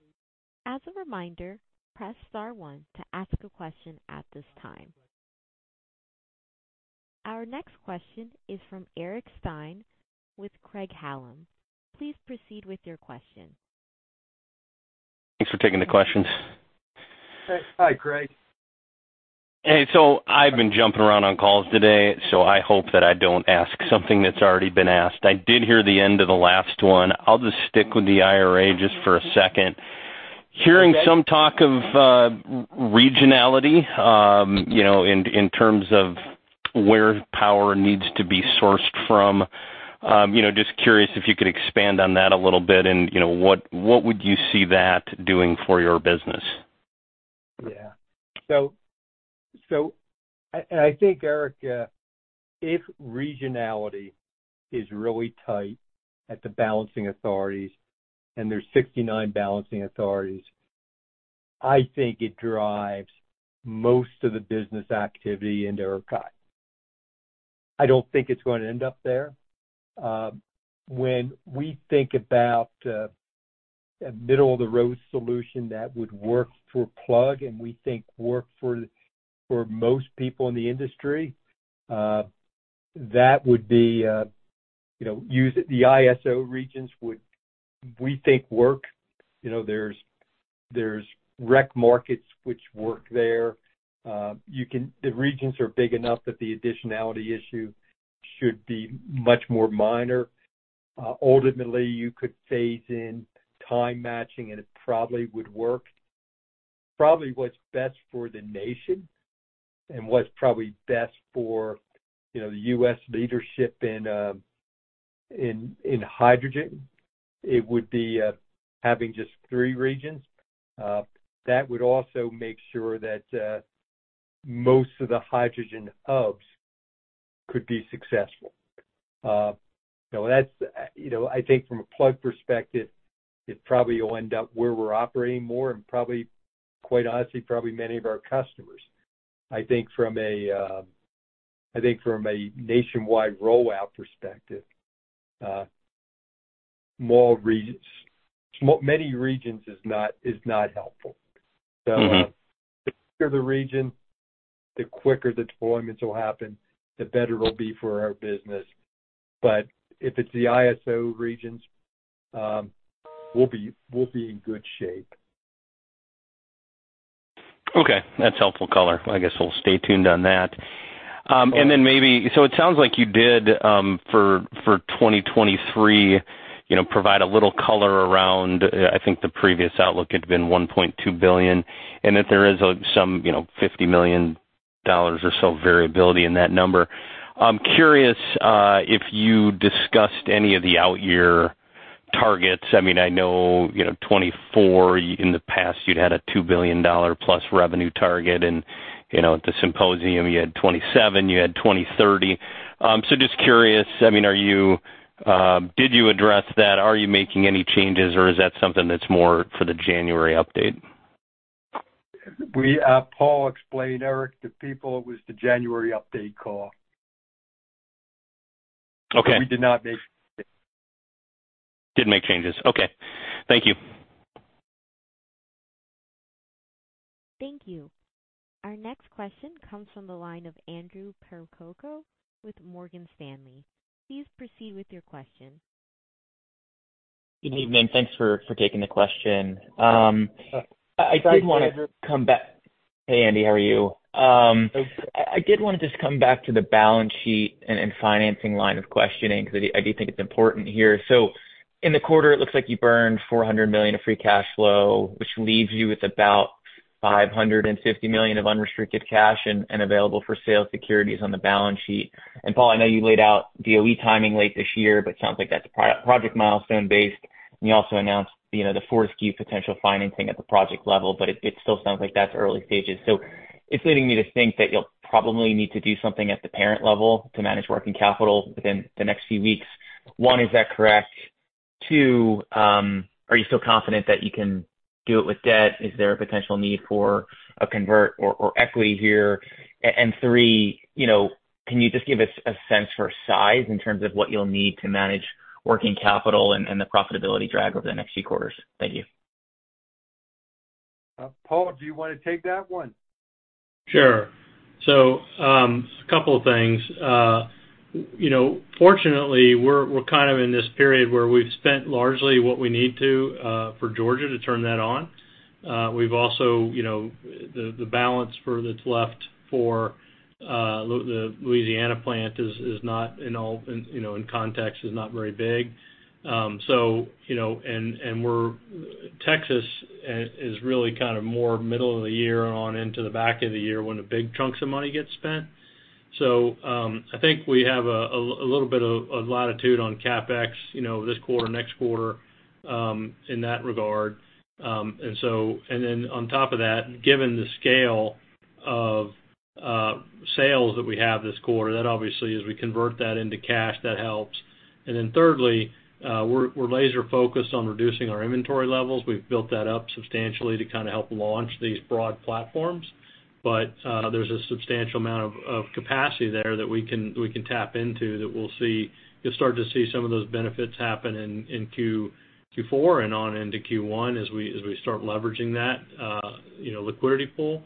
Speaker 1: As a reminder, press star one to ask a question at this time. Our next question is from Eric Stine with Craig-Hallum. Please proceed with your question.
Speaker 12: Thanks for taking the questions.
Speaker 3: Hey. Hi, Eric.
Speaker 12: Hey, so I've been jumping around on calls today, so I hope that I don't ask something that's already been asked. I did hear the end of the last one. I'll just stick with the IRA just for a second.
Speaker 3: Okay.
Speaker 12: Hearing some talk of regionality, you know, in terms of where power needs to be sourced from. You know, just curious if you could expand on that a little bit and, you know, what would you see that doing for your business?
Speaker 3: Yeah. And I think, Eric, if regionality is really tight at the balancing authorities, and there's 69 balancing authorities, I think it drives most of the business activity into ERCOT. I don't think it's going to end up there. When we think about a middle-of-the-road solution that would work for Plug, and we think work for most people in the industry, that would be, you know, use the ISO regions would, we think, work. You know, there's REC markets which work there. The regions are big enough that the additionality issue should be much more minor. Ultimately, you could phase in time matching, and it probably would work. Probably what's best for the nation and what's probably best for, you know, the U.S. leadership in hydrogen, it would be having just three regions. That would also make sure that most of the hydrogen hubs could be successful. So that's, you know, I think from a Plug perspective, it probably will end up where we're operating more and probably, quite honestly, probably many of our customers. I think from a nationwide rollout perspective, more regions. Many regions is not helpful.
Speaker 5: Mm-hmm.
Speaker 3: So the bigger the region, the quicker the deployments will happen, the better it'll be for our business. But if it's the ISO regions, we'll be, we'll be in good shape.
Speaker 13: Okay, that's helpful color. I guess we'll stay tuned on that. And then maybe, so it sounds like you did, for 2023, you know, provide a little color around, I think the previous outlook had been $1.2 billion, and that there is some, you know, $50 million or so variability in that number. I'm curious, if you discussed any of the out year targets. I mean, I know, you know, 2024, in the past, you'd had a $2 billion-plus revenue target, and, you know, at the symposium, you had 2027, you had 2030. So just curious, I mean, are you, did you address that? Are you making any changes, or is that something that's more for the January update?
Speaker 3: We, Paul explained, Eric, to people it was the January update call.
Speaker 5: Okay.
Speaker 3: We did not make-
Speaker 5: Didn't make changes. Okay. Thank you.
Speaker 1: Thank you. Our next question comes from the line of Andrew Percoco with Morgan Stanley. Please proceed with your question.
Speaker 14: Good evening. Thanks for taking the question. I did want to come back-
Speaker 3: Hi, Andrew.
Speaker 14: Hey, Andy, how are you? I did want to just come back to the balance sheet and financing line of questioning, because I do think it's important here. So in the quarter, it looks like you burned $400 million of free cash flow, which leaves you with about $550 million of unrestricted cash and available for sale securities on the balance sheet. Paul, I know you laid out DOE timing late this year, but it sounds like that's a per-project milestone based. You also announced, you know, the Fortescue potential financing at the project level, but it still sounds like that's early stages. So it's leading me to think that you'll probably need to do something at the parent level to manage working capital within the next few weeks. One, is that correct? Two, are you still confident that you can do it with debt? Is there a potential need for a convert or, or equity here? And three, you know, can you just give us a sense for size in terms of what you'll need to manage working capital and, and the profitability drag over the next few quarters? Thank you.
Speaker 3: Paul, do you want to take that one?
Speaker 5: Sure. So, a couple of things. You know, fortunately, we're kind of in this period where we've spent largely what we need to, for Georgia to turn that on. We've also, you know, the balance for that's left for the Louisiana plant is not in all, you know, in context, is not very big. So, you know, and we're Texas is really kind of more middle of the year on into the back of the year when the big chunks of money get spent. So, I think we have a little bit of latitude on CapEx, you know, this quarter, next quarter, in that regard. And so... And then on top of that, given the scale of sales that we have this quarter, that obviously, as we convert that into cash, that helps. And then thirdly, we're laser focused on reducing our inventory levels. We've built that up substantially to kind of help launch these broad platforms, but there's a substantial amount of capacity there that we can tap into that we'll see—you'll start to see some of those benefits happen in Q4 and on into Q1 as we start leveraging that, you know, liquidity pool.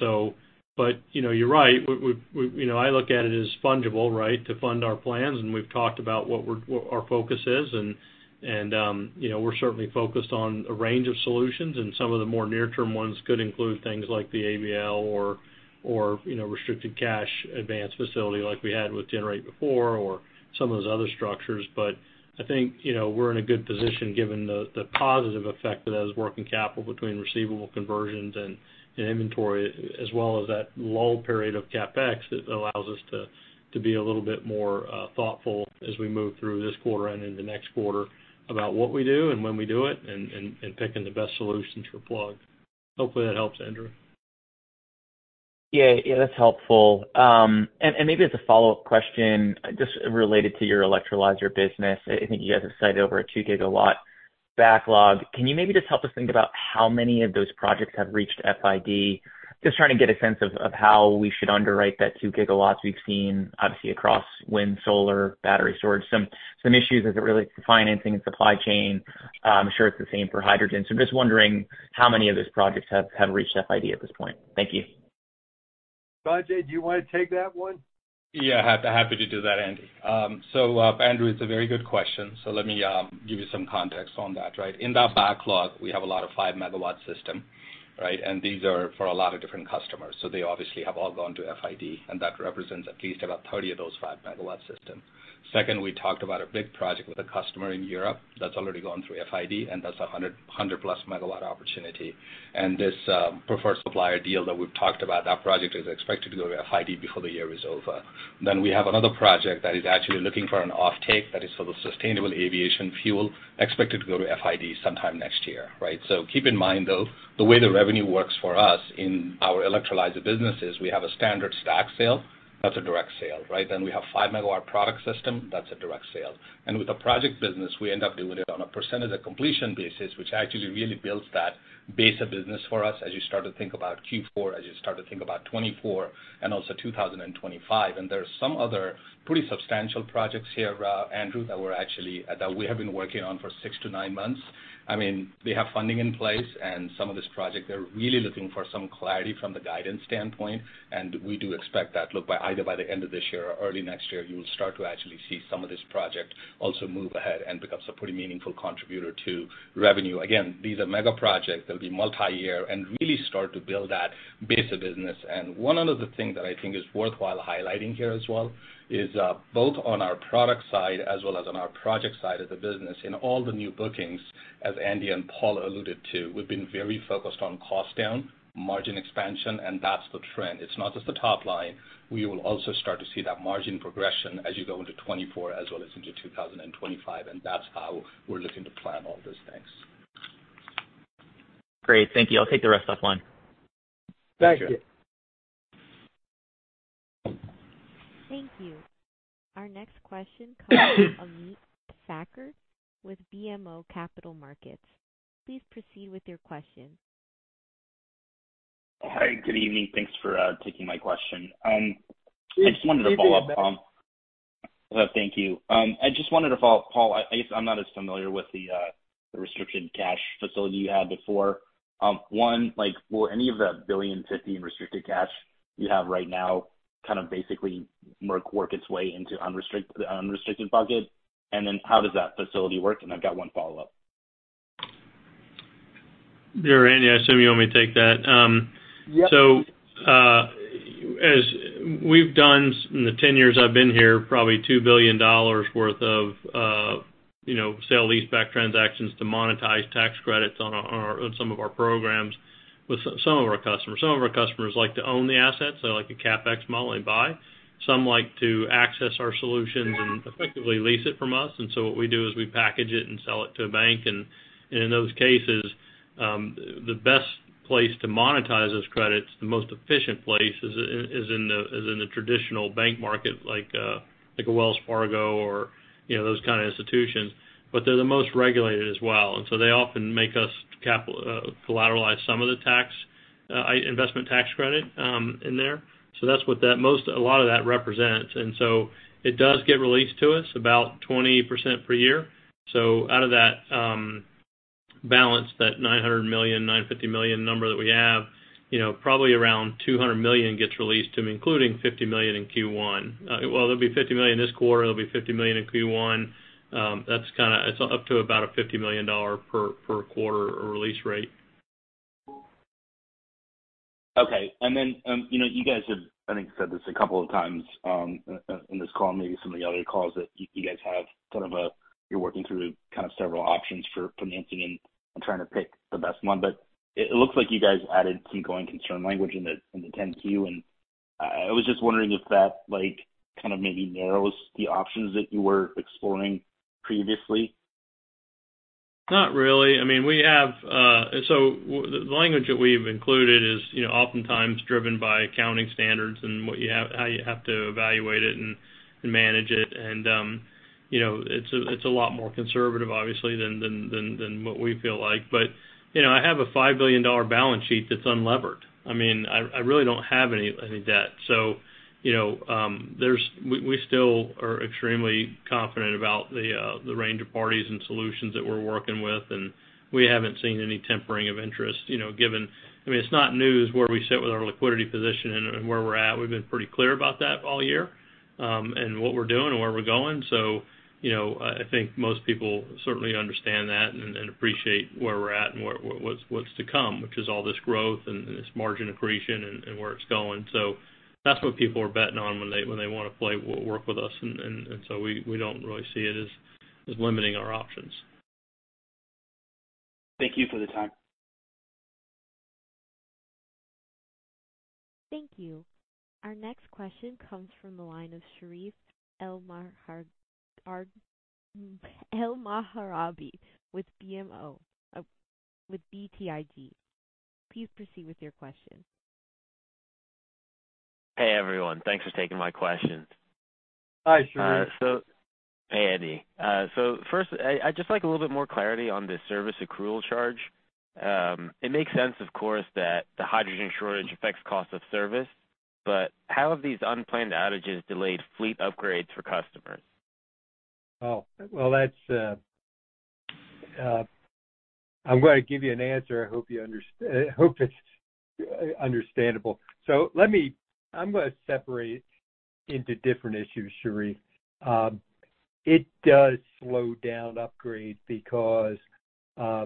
Speaker 5: So, but, you know, you're right. We, you know, I look at it as fungible, right, to fund our plans, and we've talked about what we're, what our focus is. You know, we're certainly focused on a range of solutions, and some of the more near-term ones could include things like the ABL or, you know, restricted cash advance facility like we had with Generate before or some of those other structures. But I think, you know, we're in a good position given the positive effect that has working capital between receivable conversions and inventory, as well as that lull period of CapEx, that allows us to be a little bit more thoughtful as we move through this quarter and in the next quarter about what we do and when we do it, and picking the best solutions for Plug. Hopefully, that helps, Andrew.
Speaker 14: Yeah. Yeah, that's helpful. And, and maybe as a follow-up question, just related to your electrolyzer business. I think you guys have cited over a 2 gigawatt backlog. Can you maybe just help us think about how many of those projects have reached FID? Just trying to get a sense of, of how we should underwrite that 2 GW. We've seen, obviously, across wind, solar, battery storage, some, some issues as it relates to financing and supply chain. I'm sure it's the same for hydrogen, so I'm just wondering how many of those projects have, have reached FID at this point. Thank you.
Speaker 3: Sanjay, do you want to take that one?
Speaker 11: Yeah, happy, happy to do that, Andy. So, Andrew, it's a very good question, so let me give you some context on that, right? In that backlog, we have a lot of 5-megawatt systems, right? And these are for a lot of different customers, so they obviously have all gone to FID, and that represents at least about 30 of those 5 MW systems. Second, we talked about a big project with a customer in Europe that's already gone through FID, and that's a 100, 100-plus-megawatt opportunity. And this preferred supplier deal that we've talked about, that project is expected to go to FID before the year is over. Then we have another project that is actually looking for an offtake that is for the sustainable aviation fuel, expected to go to FID sometime next year, right? So keep in mind, though, the way the revenue works for us in our electrolyzer business is we have a standard stack sale. That's a direct sale, right? Then we have 5-megawatt product system. That's a direct sale. And with the project business, we end up doing it on a percentage of completion basis, which actually really builds that base of business for us as you start to think about Q4, as you start to think about 2024 and also 2025. And there are some other pretty substantial projects here, Andrew, that we're actually that we have been working on for six to nine months. I mean, they have funding in place, and some of this project, they're really looking for some clarity from the guidance standpoint. And we do expect that, look, by either by the end of this year or early next year, you will start to actually see some of this project also move ahead and become a pretty meaningful contributor to revenue. Again, these are mega projects. They'll be multiyear and really start to build that base of business. And one other thing that I think is worthwhile highlighting here as well is, both on our product side as well as on our project side of the business, in all the new bookings, as Andy and Paul alluded to, we've been very focused on cost down, margin expansion, and that's the trend. It's not just the top line. We will also start to see that margin progression as you go into 2024 as well as into 2025, and that's how we're looking to plan all these things.
Speaker 14: Great. Thank you. I'll take the rest offline.
Speaker 3: Thank you.
Speaker 1: Thank you. Our next question comes from Ameet Thakkar with BMO Capital Markets. Please proceed with your question.
Speaker 15: Hi, good evening. Thanks for taking my question. [crosstalk] I just wanted to follow up. Thank you. I just wanted to follow up, Paul. I guess I'm not as familiar with the restricted cash facility you had before. One, like, will any of the $1.05 billion in restricted cash you have right now kind of basically work its way into the unrestricted bucket? And then how does that facility work? And I've got one follow-up.
Speaker 5: Sure, Andy, I assume you want me to take that.
Speaker 3: Yep.
Speaker 5: So, as we've done in the ten years I've been here, probably $2 billion worth of, you know, sale leaseback transactions to monetize tax credits on our, on some of our programs with some, some of our customers. Some of our customers like to own the assets. They like a CapEx model, and buy. Some like to access our solutions and effectively lease it from us, and so what we do is we package it and sell it to a bank. And, in those cases, the best place to monetize those credits, the most efficient place, is, is in the, is in the traditional bank market, like, like a Wells Fargo or, you know, those kind of institutions, but they're the most regulated as well. And so they often make us capital, collateralize some of the tax, investment tax credit, in there. So that's what that most, a lot of that represents. And so it does get released to us about 20% per year. So out of that, balance, that $900 million, $950 million number that we have, you know, probably around $200 million gets released to me, including $50 million in Q1. Well, there'll be $50 million this quarter. There'll be $50 million in Q1. That's kind of, it's up to about a $50 million dollar per quarter release rate.
Speaker 15: Okay. And then, you know, you guys have, I think, said this a couple of times, in this call, maybe some of the other calls, that you, you guys have sort of you're working through kind of several options for financing and trying to pick the best one. But it, it looks like you guys added some going concern language in the, in the 10-Q, and I was just wondering if that like, kind of maybe narrows the options that you were exploring previously.
Speaker 5: Not really. I mean, we have... So the language that we've included is, you know, oftentimes driven by accounting standards and what you have, how you have to evaluate it and manage it. And, you know, it's, it's a lot more conservative, obviously, than what we feel like. But, you know, I have a $5 billion balance sheet that's unlevered. I mean, I really don't have any debt. So, you know, we still are extremely confident about the range of parties and solutions that we're working with, and we haven't seen any tempering of interest, you know, given... I mean, it's not news where we sit with our liquidity position and where we're at. We've been pretty clear about that all year, and what we're doing and where we're going. So, you know, I think most people certainly understand that and appreciate where we're at and what's to come, which is all this growth and this margin accretion and where it's going. So that's what people are betting on when they want to play work with us, and so we don't really see it as limiting our options.
Speaker 15: Thank you for the time.
Speaker 1: Thank you. Our next question comes from the line of Sherif Elmaghrabi with BTIG. Please proceed with your question.
Speaker 16: Hey, everyone. Thanks for taking my question.
Speaker 3: Hi, Sherif.
Speaker 16: So hey, Andy. So first, I'd just like a little bit more clarity on the service accrual charge. It makes sense, of course, that the hydrogen shortage affects cost of service, but how have these unplanned outages delayed fleet upgrades for customers?
Speaker 3: Oh, well, that's, I'm going to give you an answer. I hope you underst- I hope it's understandable. So let me... I'm going to separate into different issues, Sherif. It does slow down upgrade because, you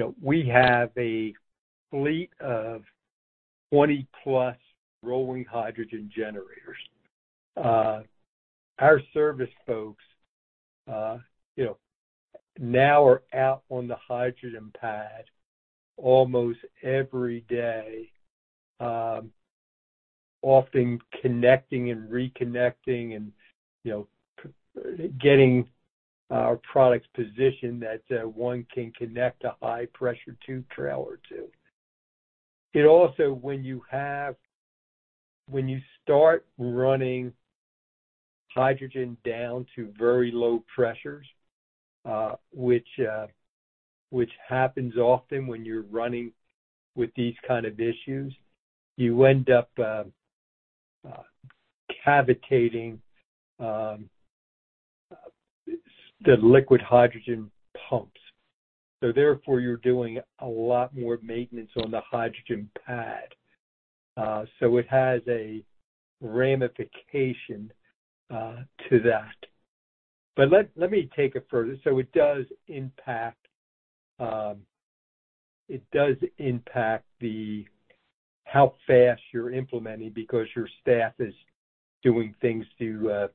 Speaker 3: know, we have a fleet of 20+ rolling hydrogen generators. Our service folks, you know, now are out on the hydrogen pad almost every day, often connecting and reconnecting and, you know, getting our products positioned that one can connect a high-pressure tube trailer to. It also, when you have- when you start running hydrogen down to very low pressures, which, which happens often when you're running with these kind of issues, you end up, cavitating, the liquid hydrogen pumps. So therefore, you're doing a lot more maintenance on the hydrogen pad. So it has a ramification to that. But let me take it further. So it does impact, it does impact the how fast you're implementing, because your staff is doing things to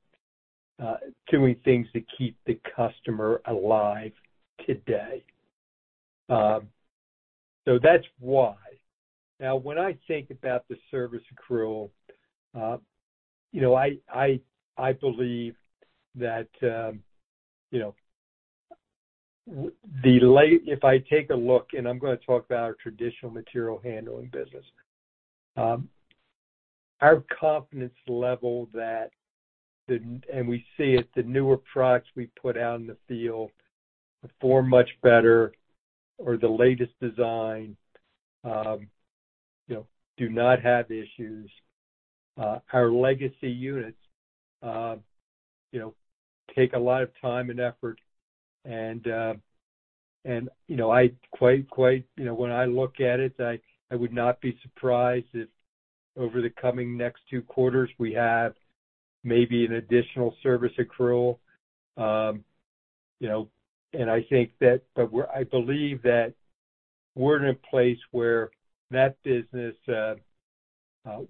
Speaker 3: keep the customer alive today. So that's why. Now, when I think about the service accrual, you know, I believe that, you know, if I take a look, and I'm going to talk about our traditional material handling business. Our confidence level that the... And we see it, the newer products we put out in the field perform much better, or the latest design, you know, do not have issues. Our legacy units, you know, take a lot of time and effort and, you know, quite, you know, when I look at it, I would not be surprised if over the coming next two quarters, we have maybe an additional service accrual. You know, and I think that, but I believe that we're in a place where that business,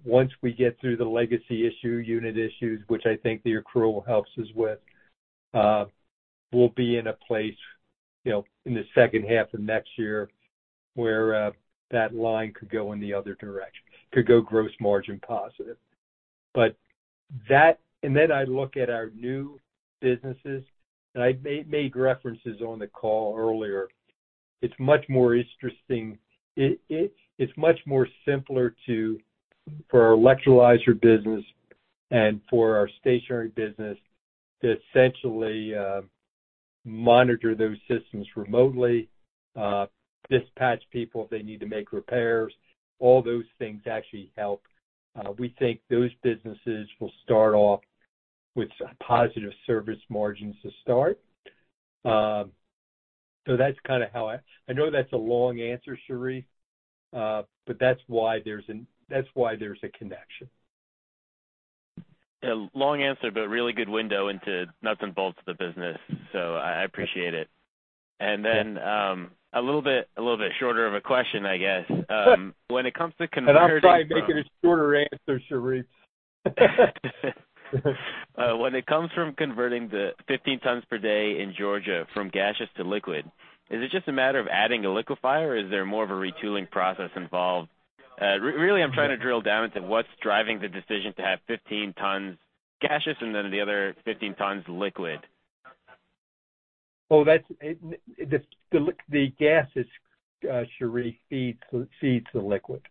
Speaker 3: once we get through the legacy issue, unit issues, which I think the accrual helps us with, we'll be in a place, you know, in the second half of next year where that line could go in the other direction, could go gross margin positive. But that, and then I look at our new businesses, and I made references on the call earlier. It's much more interesting. It's much more simpler to, for our electrolyzer business and for our stationary business, to essentially monitor those systems remotely, dispatch people if they need to make repairs. All those things actually help. We think those businesses will start off with positive service margins to start. So that's kind of how I... I know that's a long answer, Sherif, but that's why there's a connection.
Speaker 16: A long answer, but really good window into nuts and bolts of the business, so I, I appreciate it. And then, a little bit, a little bit shorter of a question, I guess. When it comes to converting from-
Speaker 3: I'll try and make it a shorter answer, Sherif.
Speaker 16: When it comes from converting the 15 tons per day in Georgia from gaseous to liquid, is it just a matter of adding a liquefier, or is there more of a retooling process involved? Really, I'm trying to drill down into what's driving the decision to have 15 tons gaseous and then the other 15 tons liquid.
Speaker 3: Well, that's it, the gas is what feeds the liquid.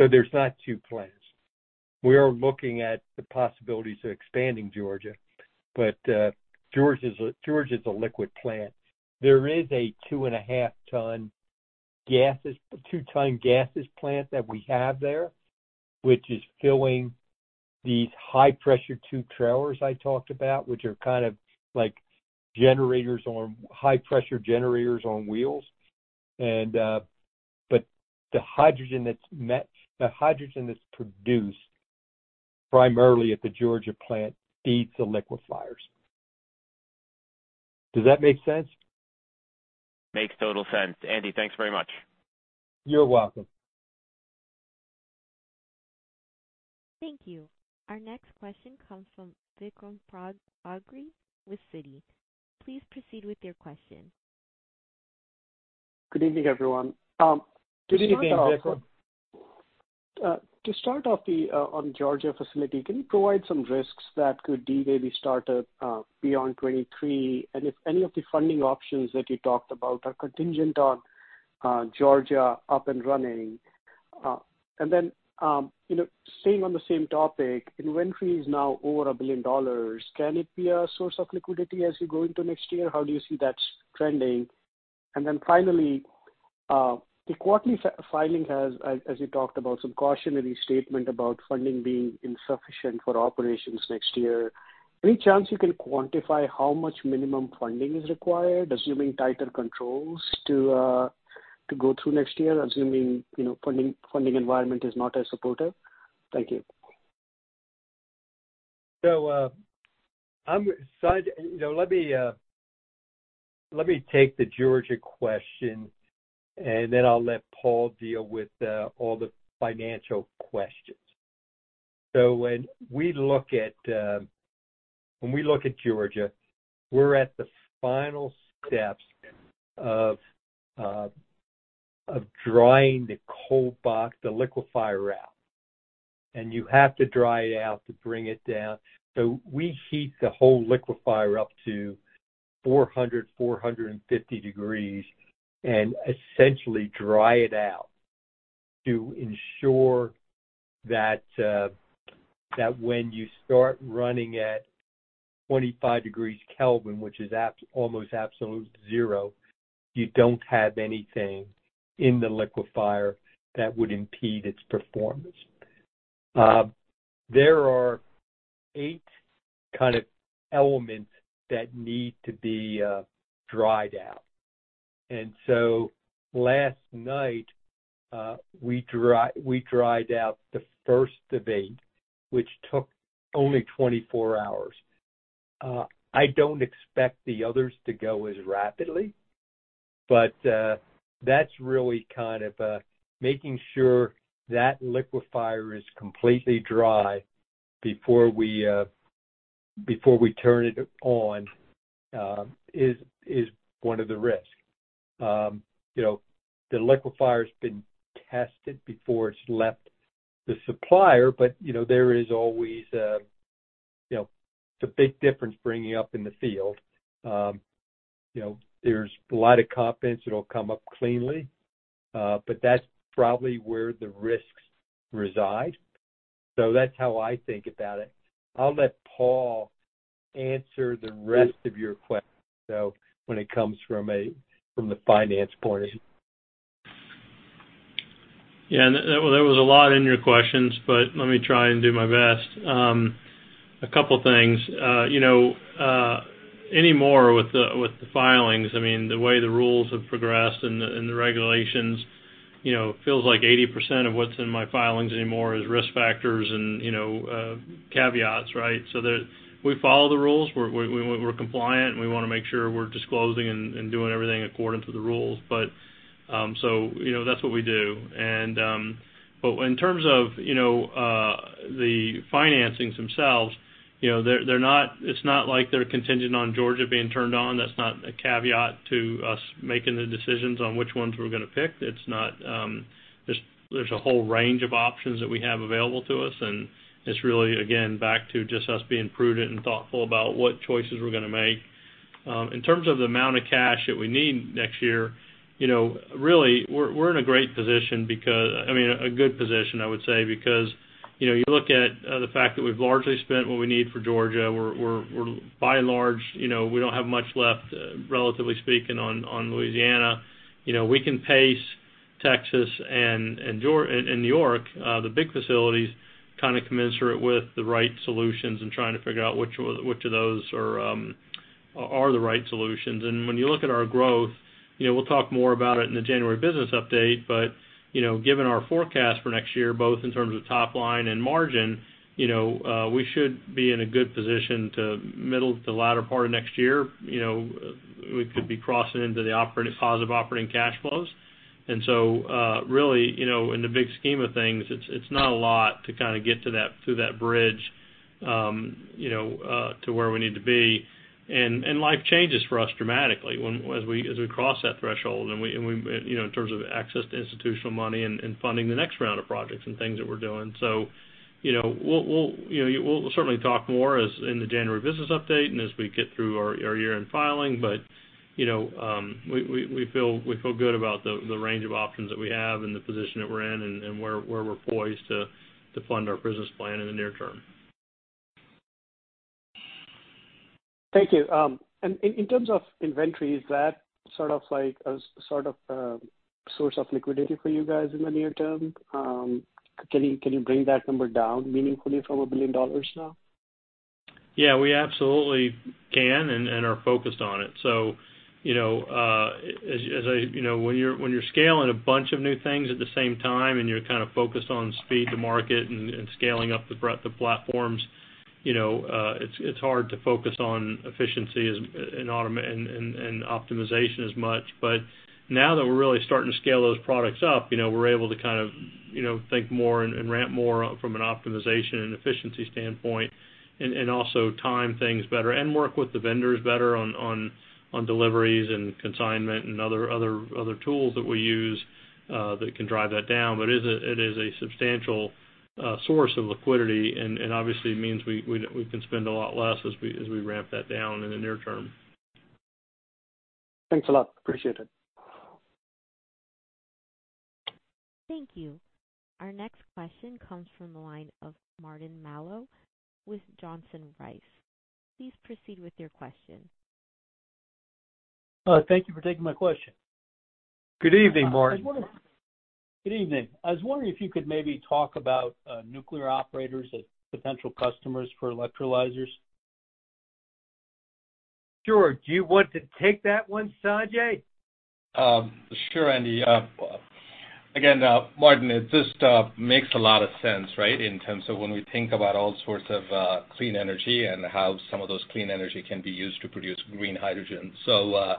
Speaker 3: So there's not two plants. We are looking at the possibilities of expanding Georgia, but Georgia's a liquid plant. There is a 2.5-ton gaseous, 2-ton gaseous plant that we have there, which is filling these high-pressure tube trailers I talked about, which are kind of like generators on high-pressure generators on wheels. And the hydrogen that's produced primarily at the Georgia plant feeds the liquefiers. Does that make sense?
Speaker 16: Makes total sense. Andy, thanks very much.
Speaker 3: You're welcome.
Speaker 1: Thank you. Our next question comes from Vikram Bagri with Citi. Please proceed with your question.
Speaker 17: Good evening, everyone. To start off-
Speaker 3: Good evening, Vikram.
Speaker 17: To start off on Georgia facility, can you provide some risks that could delay the startup beyond 2023? And if any of the funding options that you talked about are contingent on Georgia up and running. And then, you know, staying on the same topic, inventory is now over $1 billion. Can it be a source of liquidity as you go into next year? How do you see that trending? And then finally, the quarterly filing has, as you talked about, some cautionary statement about funding being insufficient for operations next year. Any chance you can quantify how much minimum funding is required, assuming tighter controls to go through next year, assuming, you know, funding environment is not as supportive? Thank you.
Speaker 3: You know, let me take the Georgia question, and then I'll let Paul deal with all the financial questions. So when we look at Georgia, we're at the final steps of drying the cold box, the liquefier out, and you have to dry it out to bring it down. So we heat the whole liquefier up to 400-450 degrees, and essentially dry it out to ensure that when you start running at 25 degrees Kelvin, which is almost absolute zero, you don't have anything in the liquefier that would impede its performance. There are eight kind of elements that need to be dried out. And so last night, we dried out the first of eight, which took only 24 hours. I don't expect the others to go as rapidly, but, that's really kind of, making sure that liquefier is completely dry before we, before we turn it on, is, is one of the risks. You know, the liquefier's been tested before it's left the supplier, but, you know, there is always a, you know, it's a big difference bringing it up in the field. You know, there's a lot of confidence it'll come up cleanly, but that's probably where the risks reside. So that's how I think about it. I'll let Paul answer the rest of your question, so when it comes from a, from the finance point of view.
Speaker 5: Yeah, and there, there was a lot in your questions, but let me try and do my best. A couple things. You know, anymore with the, with the filings, I mean, the way the rules have progressed and the, and the regulations, you know, feels like 80% of what's in my filings anymore is risk factors and, you know, caveats, right? So, there we follow the rules, we're compliant, and we want to make sure we're disclosing and doing everything according to the rules. But, so, you know, that's what we do. And, but in terms of, you know, the financings themselves, you know, they're not—it's not like they're contingent on Georgia being turned on. That's not a caveat to us making the decisions on which ones we're going to pick. It's not... There's a whole range of options that we have available to us, and it's really, again, back to just us being prudent and thoughtful about what choices we're going to make. In terms of the amount of cash that we need next year, you know, really, we're in a great position because, I mean, a good position, I would say, because, you know, you look at the fact that we've largely spent what we need for Georgia. We're by and large, you know, we don't have much left, relatively speaking, on Louisiana. You know, we can pace Texas and Georgia and New York, the big facilities, kind of commensurate with the right solutions and trying to figure out which of those are the right solutions. When you look at our growth, you know, we'll talk more about it in the January business update, but, you know, given our forecast for next year, both in terms of top line and margin, you know, we should be in a good position to middle to latter part of next year. You know, we could be crossing into the operating, positive operating cash flows. And so, really, you know, in the big scheme of things, it's, it's not a lot to kind of get to that, through that bridge, you know, to where we need to be. And, and life changes for us dramatically when, as we, as we cross that threshold and we, and we, you know, in terms of access to institutional money and, and funding the next round of projects and things that we're doing. So, you know, we'll certainly talk more as in the January business update and as we get through our year-end filing. But, you know, we feel good about the range of options that we have and the position that we're in and where we're poised to fund our business plan in the near term.
Speaker 17: Thank you. And in terms of inventory, is that sort of like a sort of source of liquidity for you guys in the near term? Can you bring that number down meaningfully from $1 billion now?
Speaker 5: Yeah, we absolutely can and are focused on it. So, you know, as I... You know, when you're scaling a bunch of new things at the same time, and you're kind of focused on speed to market and scaling up the breadth of platforms, you know, it's hard to focus on efficiency and automation and optimization as much. But now that we're really starting to scale those products up, you know, we're able to kind of, you know, think more and ramp more from an optimization and efficiency standpoint, and also time things better and work with the vendors better on deliveries and consignment and other tools that we use that can drive that down. But it is a substantial source of liquidity, and obviously, it means we can spend a lot less as we ramp that down in the near term.
Speaker 17: Thanks a lot. Appreciate it.
Speaker 1: Thank you. Our next question comes from the line of Martin Malloy with Johnson Rice. Please proceed with your question.
Speaker 18: Thank you for taking my question.
Speaker 5: Good evening, Martin.
Speaker 18: Good evening. I was wondering if you could maybe talk about nuclear operators as potential customers for electrolyzers?
Speaker 3: Sure. Do you want to take that one, Sanjay?
Speaker 11: Sure, Andy.... Again, Martin, it just makes a lot of sense, right? In terms of when we think about all sorts of clean energy and how some of those clean energy can be used to produce green hydrogen. So,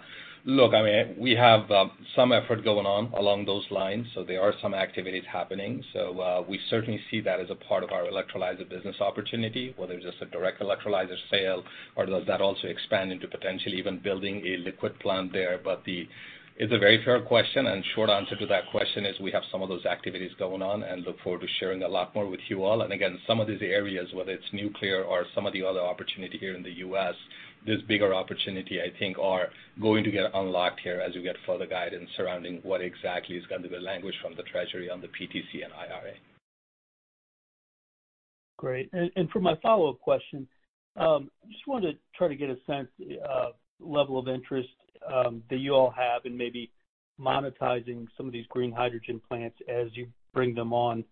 Speaker 11: look, I mean, we have some effort going on along those lines, so there are some activities happening. So, we certainly see that as a part of our electrolyzer business opportunity, whether it's just a direct electrolyzer sale or does that also expand into potentially even building a liquid plant there. But it's a very fair question, and short answer to that question is, we have some of those activities going on and look forward to sharing a lot more with you all. And again, some of these areas, whether it's nuclear or some of the other opportunity here in the U.S., this bigger opportunity, I think, are going to get unlocked here as we get further guidance surrounding what exactly is going to be the language from the Treasury on the PTC and IRA.
Speaker 18: Great. And for my follow-up question, just wanted to try to get a sense of level of interest that you all have in maybe monetizing some of these green hydrogen plants as you bring them on,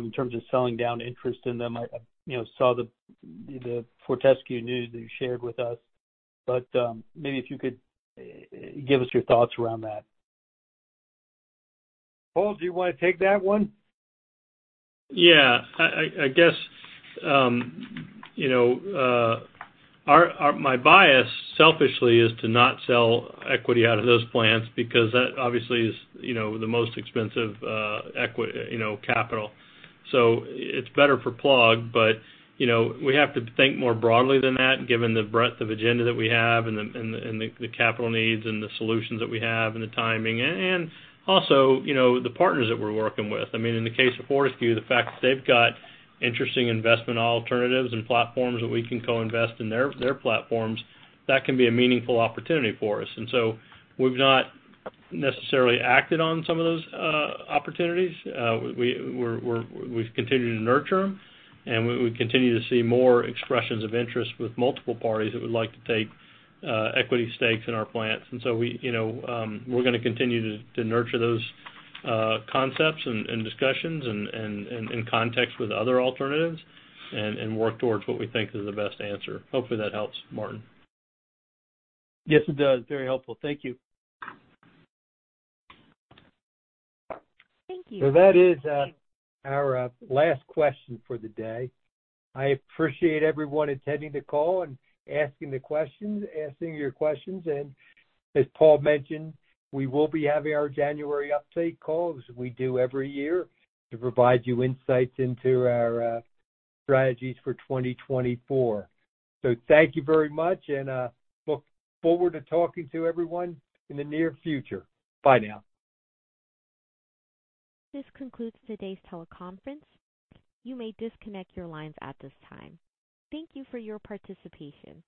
Speaker 18: in terms of selling down interest in them. I, you know, saw the Fortescue news that you shared with us, but maybe if you could give us your thoughts around that.
Speaker 3: Paul, do you want to take that one?
Speaker 5: Yeah. I guess, you know, our my bias selfishly is to not sell equity out of those plants because that obviously is, you know, the most expensive, you know, capital. So it's better for Plug, but, you know, we have to think more broadly than that, given the breadth of agenda that we have and the, and the, and the capital needs and the solutions that we have and the timing and, and also, you know, the partners that we're working with. I mean, in the case of Fortescue, the fact that they've got interesting investment alternatives and platforms that we can co-invest in their, their platforms, that can be a meaningful opportunity for us. And so we've not necessarily acted on some of those, opportunities. We're, we've continued to nurture them, and we continue to see more expressions of interest with multiple parties that would like to take equity stakes in our plants. And so we, you know, we're gonna continue to nurture those concepts and in context with other alternatives and work towards what we think is the best answer. Hopefully, that helps, Martin.
Speaker 18: Yes, it does. Very helpful. Thank you.
Speaker 1: Thank you.
Speaker 3: That is our last question for the day. I appreciate everyone attending the call and asking the questions, asking your questions. As Paul mentioned, we will be having our January update call, as we do every year, to provide you insights into our strategies for 2024. Thank you very much, and look forward to talking to everyone in the near future. Bye now.
Speaker 1: This concludes today's teleconference. You may disconnect your lines at this time. Thank you for your participation.